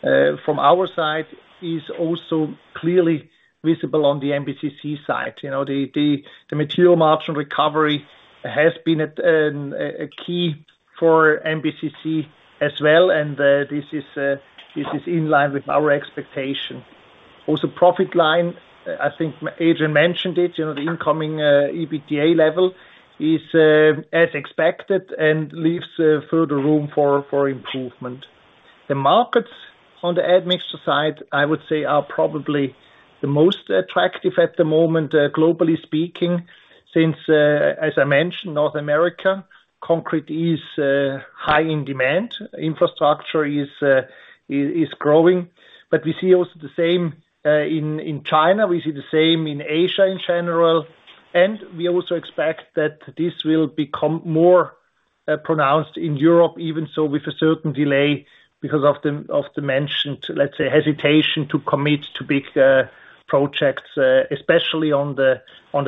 from our side is also clearly visible on the MBCC side. You know, the material margin recovery has been a key for MBCC as well, and this is in line with our expectation. Also, profit line, I think Adrian mentioned it, you know, the incoming EBTA level is as expected and leaves further room for improvement. The markets on the admixture side, I would say, are probably the most attractive at the moment, globally speaking, since, as I mentioned, North America, concrete is high in demand, infrastructure is growing. We see also the same in China, we see the same in Asia in general. We also expect that this will become more pronounced in Europe, even so with a certain delay, because of the mentioned, let's say, hesitation to commit to big projects, especially on the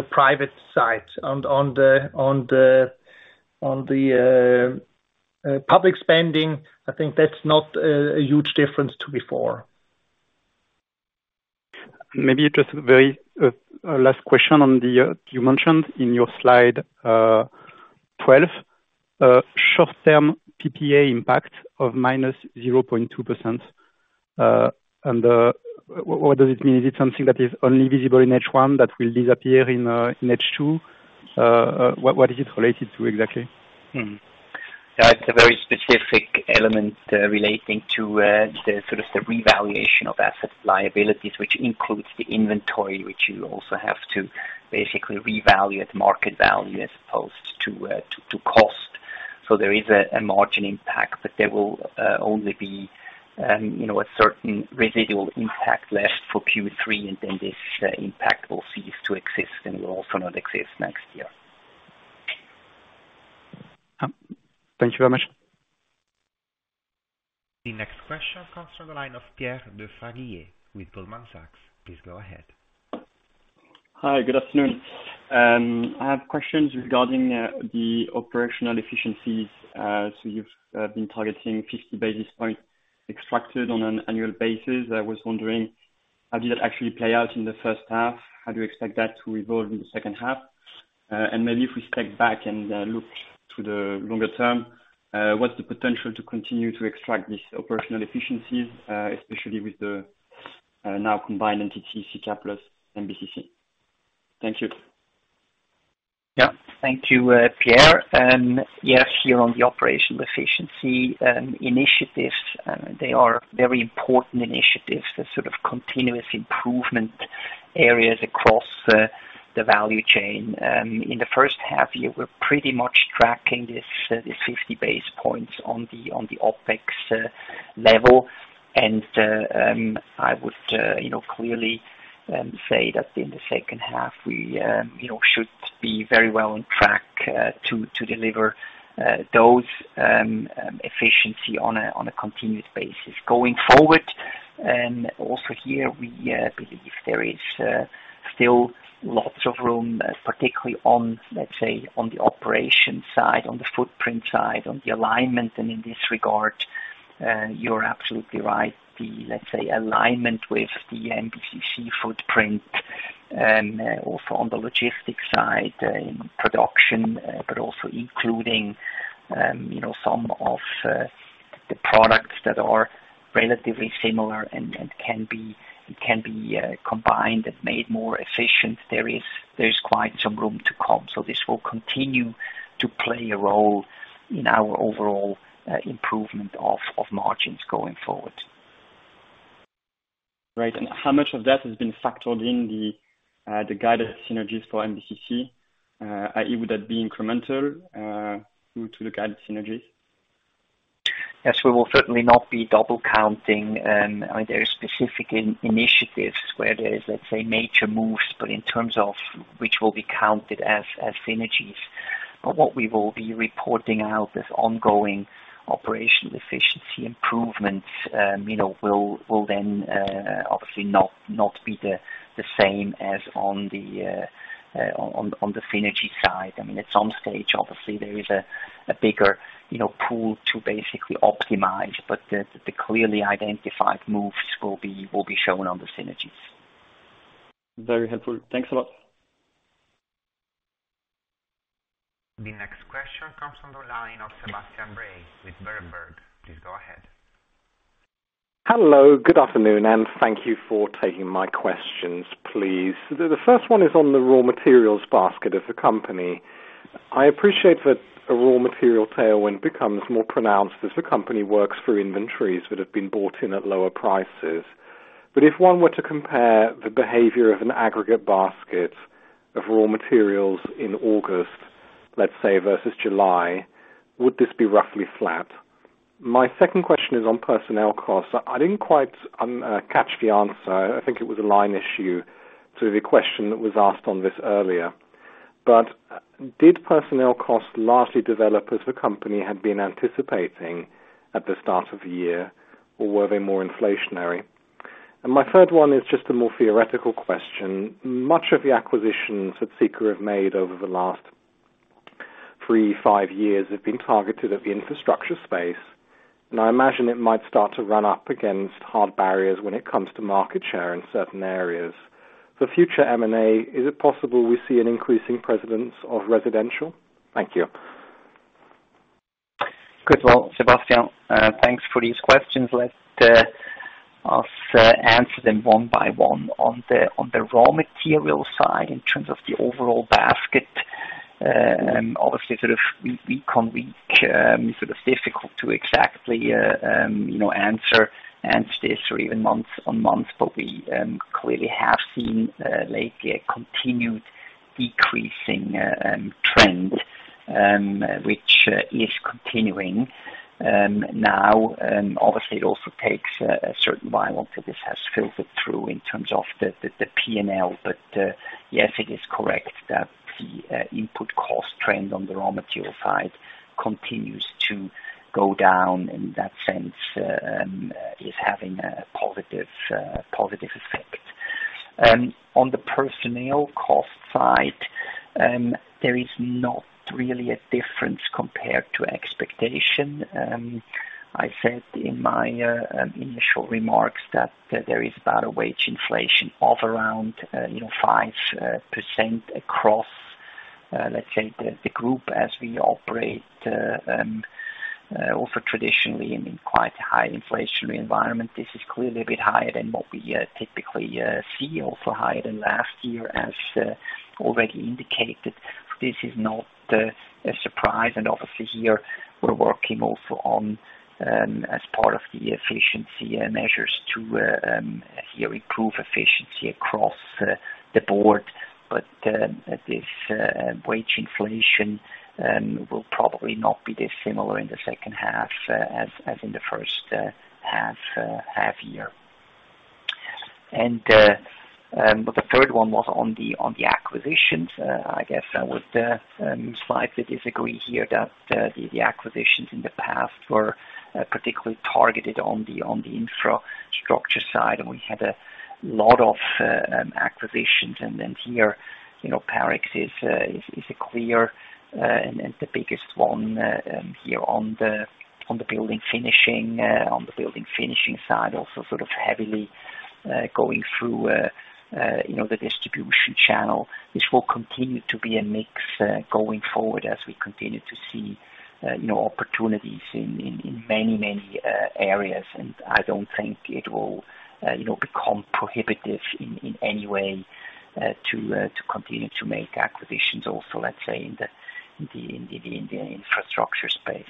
private side. On the public spending, I think that's not a huge difference to before. Maybe just a very last question on the... You mentioned in your slide 12 short-term PPA impact of minus 0.2%. What does it mean? Is it something that is only visible in H1 that will disappear in H2? What, what is it related to exactly? Yeah, it's a very specific element, relating to, the sort of the revaluation of asset liabilities, which includes the inventory, which you also have to basically revalue at market value as opposed to, to, to cost. There is a, a margin impact, but there will, only be, you know, a certain residual impact left for Q3, and then this impact will cease to exist and will also not exist next year. Thank you very much. The next question comes from the line of Pierre de Fraguier with Goldman Sachs. Please go ahead. Hi, good afternoon. I have questions regarding the operational efficiencies. You've been targeting 50 basis points extracted on an annual basis. I was wondering, how did that actually play out in the first half? How do you expect that to evolve in the second half? Maybe if we step back and look to the longer term, what's the potential to continue to extract these operational efficiencies, especially with the now combined entity Sika plus MBCC? Thank you. Yeah. Thank you, Pierre. Yes, here on the operational efficiency initiatives, they are very important initiatives. They're sort of continuous improvement areas across the value chain. In the first half year, we're pretty much tracking this, the 50 basis points on the OPEX level. And, I would, you know, clearly, say that in the second half, we, you know, should be very well on track to deliver those efficiency on a continuous basis. Going forward, and also here, we believe there is still lots of room, particularly on, let's say, on the operation side, on the footprint side, on the alignment, and in this regard, you're absolutely right. The, let's say, alignment with the MBCC footprint, also on the logistics side, in production, but also including, you know, some of the products that are relatively similar and, and can be, can be, combined and made more efficient. There is, there's quite some room to come. This will continue to play a role in our overall, improvement of, of margins going forward. Right. How much of that has been factored in the, the guided synergies for MBCC? i.e, would that be incremental, through to the guided synergies? Yes, we will certainly not be double counting, are there specific initiatives where there is, let's say, major moves, but in terms of which will be counted as, as synergies. What we will be reporting out as ongoing operational efficiency improvements, you know, will, will then obviously not, not be the same as on the synergy side. I mean, at some stage, obviously there is a, a bigger, you know, pool to basically optimize, but the, the clearly identified moves will be, will be shown on the synergies. Very helpful. Thanks a lot. The next question comes from the line of Sebastian Bray with Berenberg. Please go ahead. Hello, good afternoon, and thank you for taking my questions, please. The first one is on the raw materials basket of the company. I appreciate that a raw material tailwind becomes more pronounced as the company works through inventories that have been bought in at lower prices. If one were to compare the behavior of an aggregate basket of raw materials in August, let's say, versus July, would this be roughly flat? My second question is on personnel costs. I didn't quite catch the answer, I think it was a line issue, to the question that was asked on this earlier.... Did personnel costs largely develop as the company had been anticipating at the start of the year, or were they more inflationary? My third one is just a more theoretical question. Much of the acquisitions that Sika have made over the last 3, 5 years have been targeted at the infrastructure space, and I imagine it might start to run up against hard barriers when it comes to market share in certain areas. For future M&A, is it possible we see an increasing precedence of residential? Thank you. Good. Well, Sebastian, thanks for these questions. Let us answer them one by one. On the, on the raw material side, in terms of the overall basket, obviously sort of week on week, sort of difficult to exactly, you know, answer, answer this or even month on month. We clearly have seen lately a continued decreasing trend, which is continuing. Now, obviously it also takes a certain while until this has filtered through in terms of the, the, the PNL. Yes, it is correct that the input cost trend on the raw material side continues to go down, in that sense, is having a positive, positive effect. On the personnel cost side, there is not really a difference compared to expectation. I said in my initial remarks that there is about a wage inflation of around, you know, 5% across, let's say, the group as we operate also traditionally in quite a high inflationary environment. This is clearly a bit higher than what we typically see, also higher than last year. As already indicated, this is not a surprise, and obviously here we're working also on as part of the efficiency measures to here improve efficiency across the board. This wage inflation will probably not be this similar in the second half as in the first half-year. The third one was on the acquisitions. I guess I would slightly disagree here that the, the acquisitions in the past were particularly targeted on the, on the infrastructure side, and we had a lot of acquisitions. Then here, you know, Parex is a, is, is a clear, and, and the biggest one, here on the, on the building finishing, on the building finishing side, also sort of heavily going through, you know, the distribution channel. This will continue to be a mix going forward as we continue to see, you know, opportunities in, in, in many, many areas. I don't think it will, you know, become prohibitive in, in any way, to continue to make acquisitions also, let's say, in the, in the, in the, in the infrastructure space.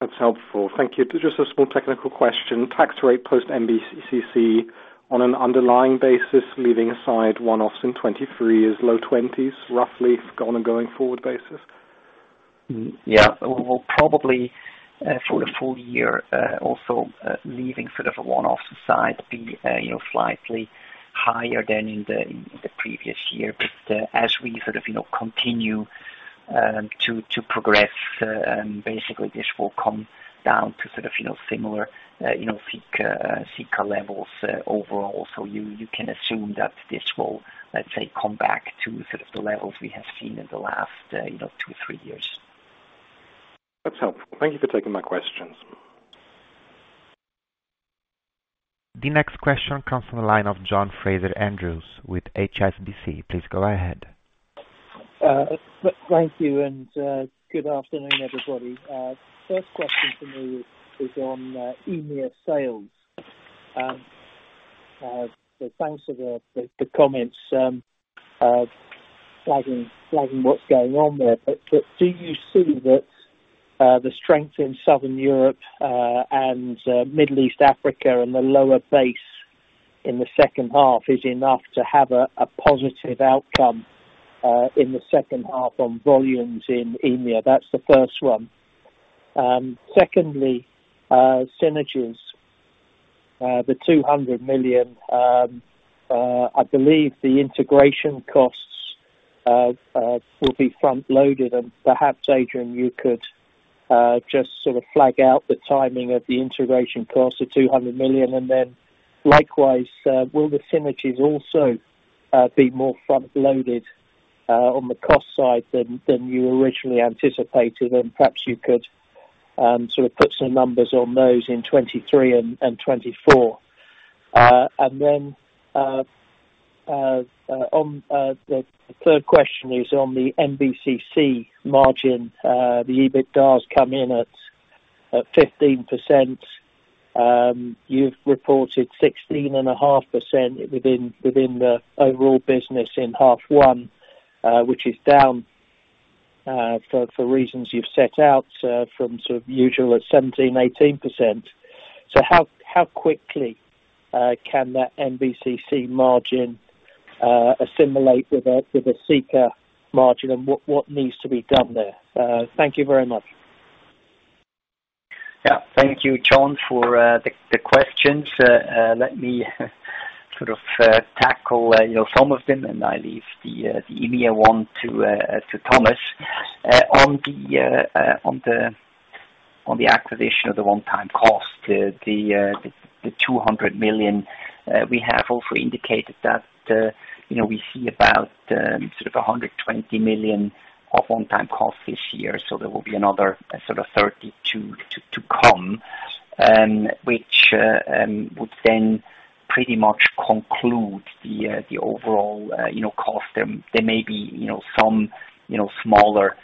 That's helpful. Thank you. Just a small technical question. Tax rate post MBCC, on an underlying basis, leaving aside one-offs in 2023 is low 20s%, roughly on a going forward basis? Yeah. We'll probably, for the full year, also, leaving sort of a one-off side be, you know, slightly higher than in the, in the previous year. As we sort of, you know, continue, to, to progress, basically this will come down to sort of, you know, similar, you know, Sika, Sika levels overall. You, you can assume that this will, let's say, come back to sort of the levels we have seen in the last, you know, two, three years. That's helpful. Thank you for taking my questions. The next question comes from the line of John Fraser-Andrews with HSBC. Please go ahead. Thank you, good afternoon, everybody. First question for me is on EMEA sales. Thanks for the comments, flagging what's going on there. Do you see that the strength in Southern Europe, Middle East and Africa, and the lower base in the second half is enough to have a positive outcome in the second half on volumes in EMEA? That's the first one. Secondly, synergies. The 200 million, I believe the integration costs will be front loaded. Perhaps, Adrian, you could just sort of flag out the timing of the integration costs of 200 million. Likewise, will the synergies also be more front loaded on the cost side than you originally anticipated? Perhaps you could sort of put some numbers on those in 2023 and 2024. Then on the third question is on the MBCC margin. The EBITDA comes in at 15%. You've reported 16.5% within the overall business in half one, which is down for reasons you've set out from sort of usual at 17%-18%. How quickly can that MBCC margin assimilate with a Sika margin, and what needs to be done there? Thank you very much. Thank you, John, for the questions. Let me sort of tackle, you know, some of them, and I leave the EMEA one to Thomas. On the acquisition of the one-time cost, the 200 million, we have also indicated that, you know, we see about 120 million of one-time costs this year, so there will be another 32 million to come, which would then pretty much conclude the overall, you know, cost. There, there may be, you know, some, you know, smaller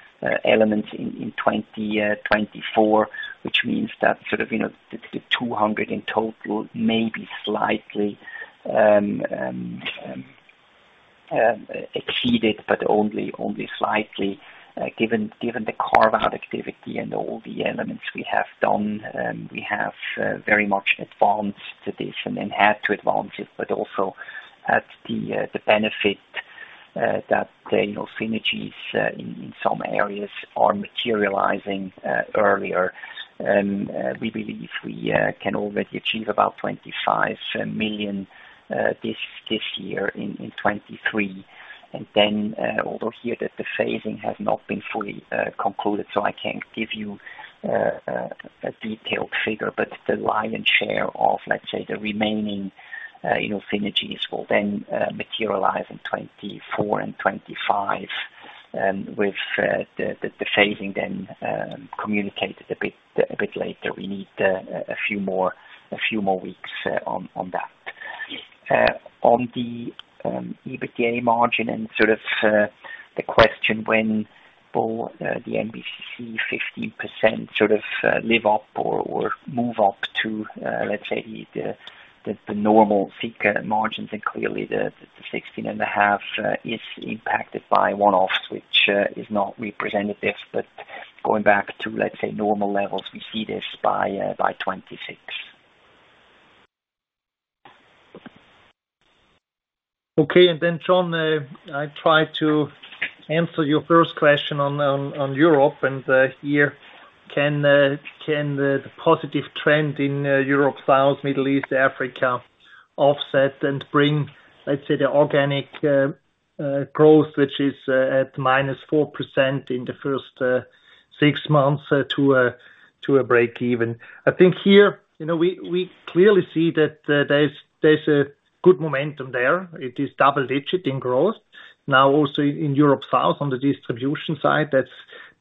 elements in 2024, which means that sort of, you know, the 200 in total may be slightly exceeded, but only slightly, given, given the carve-out activity and all the elements we have done. We have very much advanced this and then had to advance it, but also had the benefit that, you know, synergies in some areas are materializing earlier. We believe we can already achieve about 25 million this year in 2023. Although here that the phasing has not been fully concluded, so I can't give you a detailed figure, but the lion's share of, let's say, the remaining, you know, synergies will then materialize in 2024 and 2025, with the phasing then communicated a bit, a bit later. We need a few more, a few more weeks on that. On the EBITDA margin and sort of the question when will the MBCC 15% sort of live up or move up to, let's say, the normal Sika margins, and clearly the 16.5% is impacted by one-offs, which is not representative. Going back to, let's say, normal levels, we see this by 2026. Okay, John, I try to answer your first question on Europe, here, can the positive trend in Europe South, Middle East, Africa, offset and bring, let's say, the organic growth, which is at -4% in the first 6 months, to a break-even? I think here, you know, we, we clearly see that there's, there's a good momentum there. It is double-digit in growth now also in Europe South on the distribution side. That's,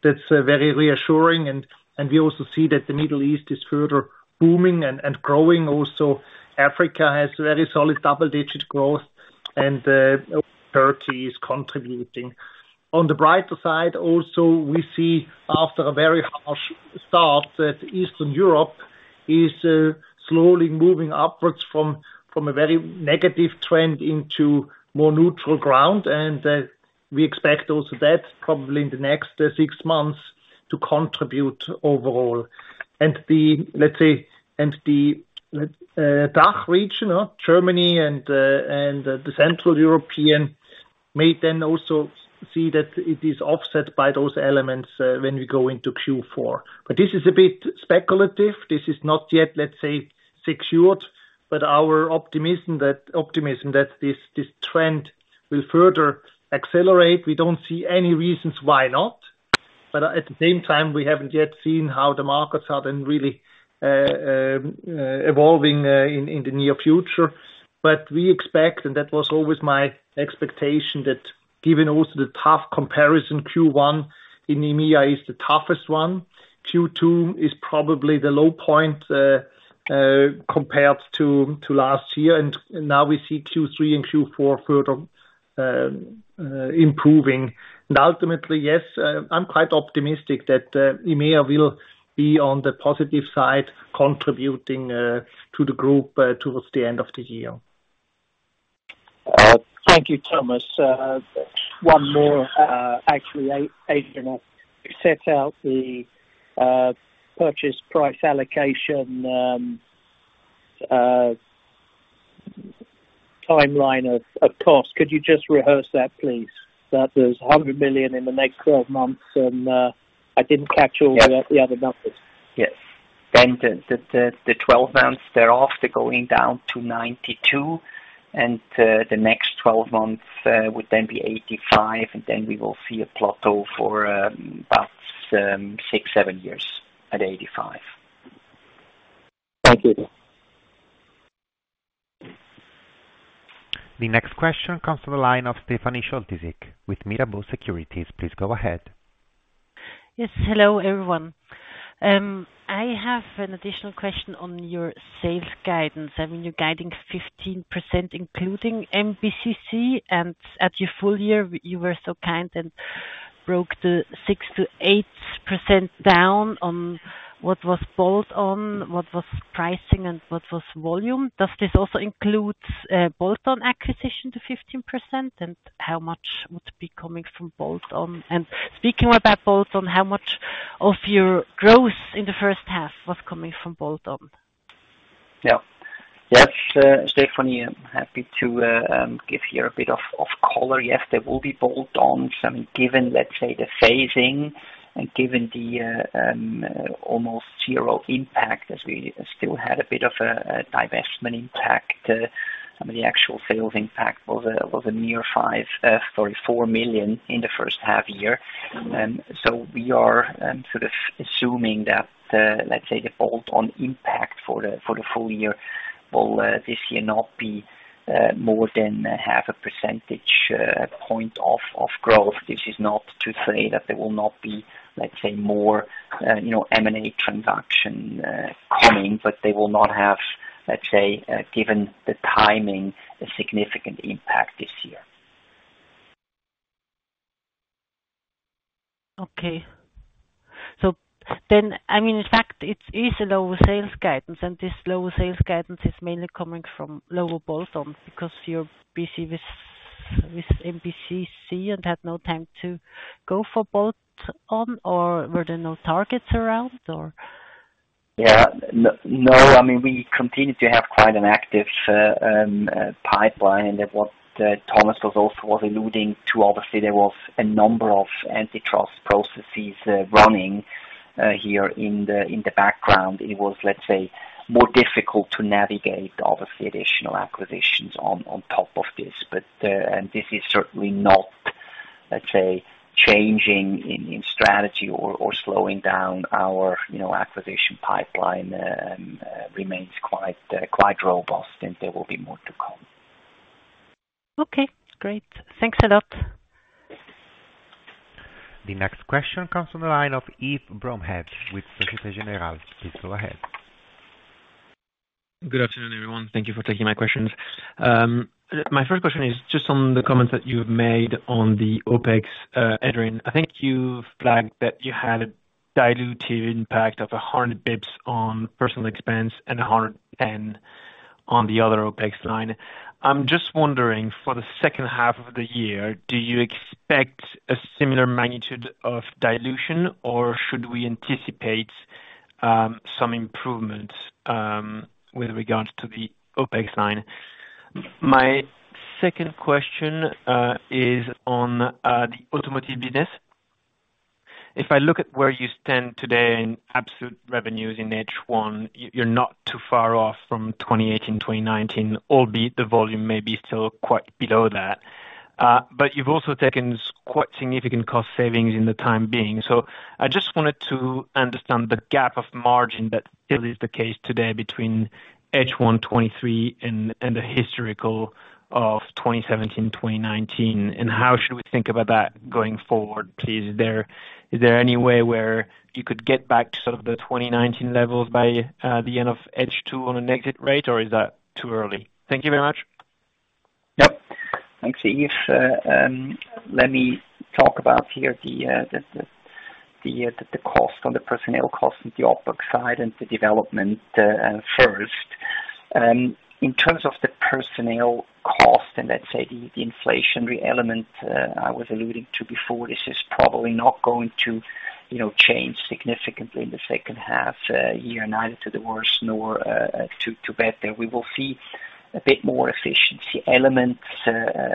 that's very reassuring, and we also see that the Middle East is further booming and growing. Also, Africa has very solid double-digit growth, and Turkey is contributing. On the brighter side also, we see after a very harsh start, that Eastern Europe is slowly moving upwards from, from a very negative trend into more neutral ground, and we expect also that probably in the next 6 months to contribute overall. The, let's say, and the dark region, Germany and, and the Central European may then also see that it is offset by those elements, when we go into Q4. This is a bit speculative. This is not yet, let's say, secured, but our optimism that, optimism that this, this trend will further accelerate. We don't see any reasons why not, but at the same time, we haven't yet seen how the markets are then really evolving in, in the near future. We expect, and that was always my expectation, that given also the tough comparison, Q1 in EMEA is the toughest one. Q2 is probably the low point compared to last year, and now we see Q3 and Q4 further improving. Ultimately, yes, I'm quite optimistic that EMEA will be on the positive side, contributing to the group towards the end of the year. Thank you, Thomas. One more, actually, Adrian, set out the purchase price allocation timeline of cost. Could you just rehearse that, please? That there's 100 million in the next 12 months, I didn't catch all the other numbers. Yes. The 12 months thereafter, going down to 92 million, the next 12 months would then be 85 million, and then we will see a plateau for about 6, 7 years at 85 million. Thank you. The next question comes from the line of Stefanie Scholtysik with Mirabaud Securities. Please go ahead. Yes. Hello, everyone. I have an additional question on your sales guidance. I mean, you're guiding 15%, including MBCC, and at your full year, you were so kind and broke the 6%-8% down on what was bolt-on, what was pricing and what was volume. Does this also includes bolt-on acquisition to 15%, and how much would be coming from bolt-on? Speaking about bolt-on, how much of your growth in the first half was coming from bolt-on?... Yeah. Yes, Stephanie, I'm happy to give you a bit of color. Yes, there will be bolt-ons, given, let's say, the phasing and given the almost zero impact, as we still had a bit of a divestment impact. I mean, the actual sales impact was a near 5, sorry, 4 million in the first half year. So we are sort of assuming that, let's say, the bolt-on impact for the full year will this year not be more than 0.5 percentage point of growth. This is not to say that there will not be, let's say, more, you know, M&A transaction coming, but they will not have, let's say, given the timing, a significant impact this year. Okay. I mean, in fact, it is a lower sales guidance, and this lower sales guidance is mainly coming from lower bolt-on because you're busy with, with MBCC and had no time to go for bolt-on, or were there no targets around, or? Yeah. No, I mean, we continued to have quite an active pipeline. What Thomas was also alluding to, obviously, there was a number of antitrust processes running here in the background. It was, let's say, more difficult to navigate, obviously, additional acquisitions on top of this. This is certainly not, let's say, changing in strategy or slowing down our, you know, acquisition pipeline remains quite robust, and there will be more to come. Okay, great. Thanks a lot. The next question comes from the line of Yves Bromehead with Societe Generale. Please go ahead. Good afternoon, everyone. Thank you for taking my questions. My first question is just on the comments that you've made on the OpEx, Adrian. I think you've flagged that you had a dilutive impact of 100 basis points on personal expense and 100 and on the other OpEx line. I'm just wondering, for the second half of the year, do you expect a similar magnitude of dilution, or should we anticipate some improvement with regards to the OpEx line? My second question is on the automotive business. If I look at where you stand today in absolute revenues in H1, you're not too far off from 2018, 2019, albeit the volume may be still quite below that. You've also taken quite significant cost savings in the time being. I just wanted to understand the gap of margin that still is the case today between H1 2023 and the historical of 2017, 2019, and how should we think about that going forward, please? Is there any way where you could get back to sort of the 2019 levels by the end of H2 on an exit rate, or is that too early? Thank you very much. Yep. Thanks, Yves. Let me talk about here the cost on the personnel cost and the OpEx side and the development first. In terms of the personnel cost, and let's say the inflationary element I was alluding to before, this is probably not going to, you know, change significantly in the second half-year, neither to the worse nor to better. We will see a bit more efficiency elements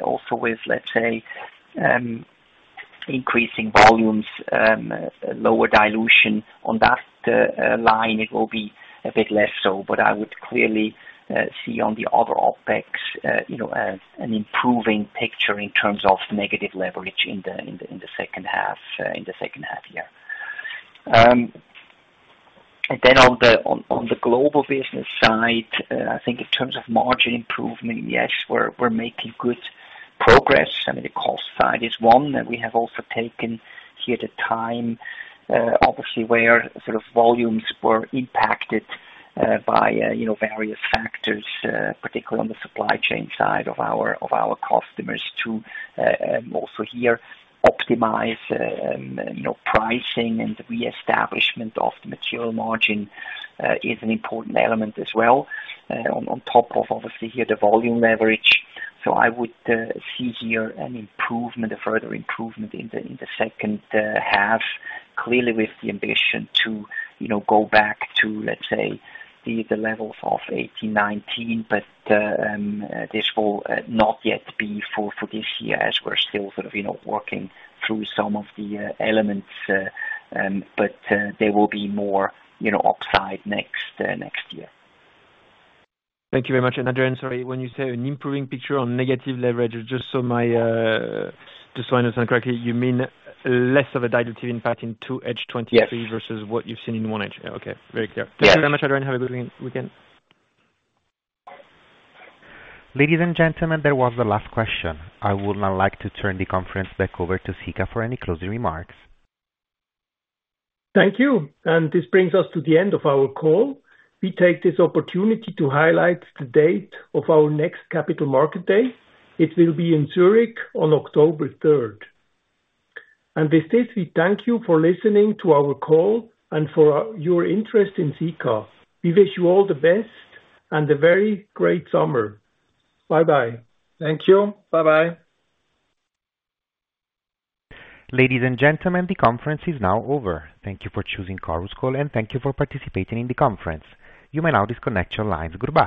also with, let's say, increasing volumes, lower dilution. On that line it will be a bit less so, but I would clearly see on the other OpEx, you know, an improving picture in terms of negative leverage in the second half, in the second half-year. Then on the, on, on the global business side, I think in terms of margin improvement, yes, we're making good progress. I mean, the cost side is one, and we have also taken here the time, obviously where sort of volumes were impacted by, you know, various factors, particularly on the supply chain side of our customers to also here optimize, you know, pricing and reestablishment of the material margin, is an important element as well, on top of obviously, here, the volume leverage. I would see here an improvement, a further improvement in the second half, clearly with the ambition to, you know, go back to, let's say, the levels of 18, 19. This will not yet be for, for this year, as we're still sort of, you know, working through some of the elements, but there will be more, you know, upside next next year. Thank you very much, Adrian. Sorry, when you say an improving picture on negative leverage, just so my, just so I understand correctly, you mean less of a dilutive impact in 2H 2023? Yes. versus what you've seen in 1H. Okay. Very clear. Yes. Thank you very much, Adrian. Have a good weekend. Ladies and gentlemen, that was the last question. I would now like to turn the conference back over to Sika for any closing remarks. Thank you, this brings us to the end of our call. We take this opportunity to highlight the date of our next Capital Markets Day. It will be in Zurich on October third. With this, we thank you for listening to our call and for your interest in Sika. We wish you all the best and a very great summer. Bye-bye. Thank you. Bye-bye. Ladies and gentlemen, the conference is now over. Thank you for choosing Chorus Call. Thank you for participating in the conference. You may now disconnect your lines. Goodbye.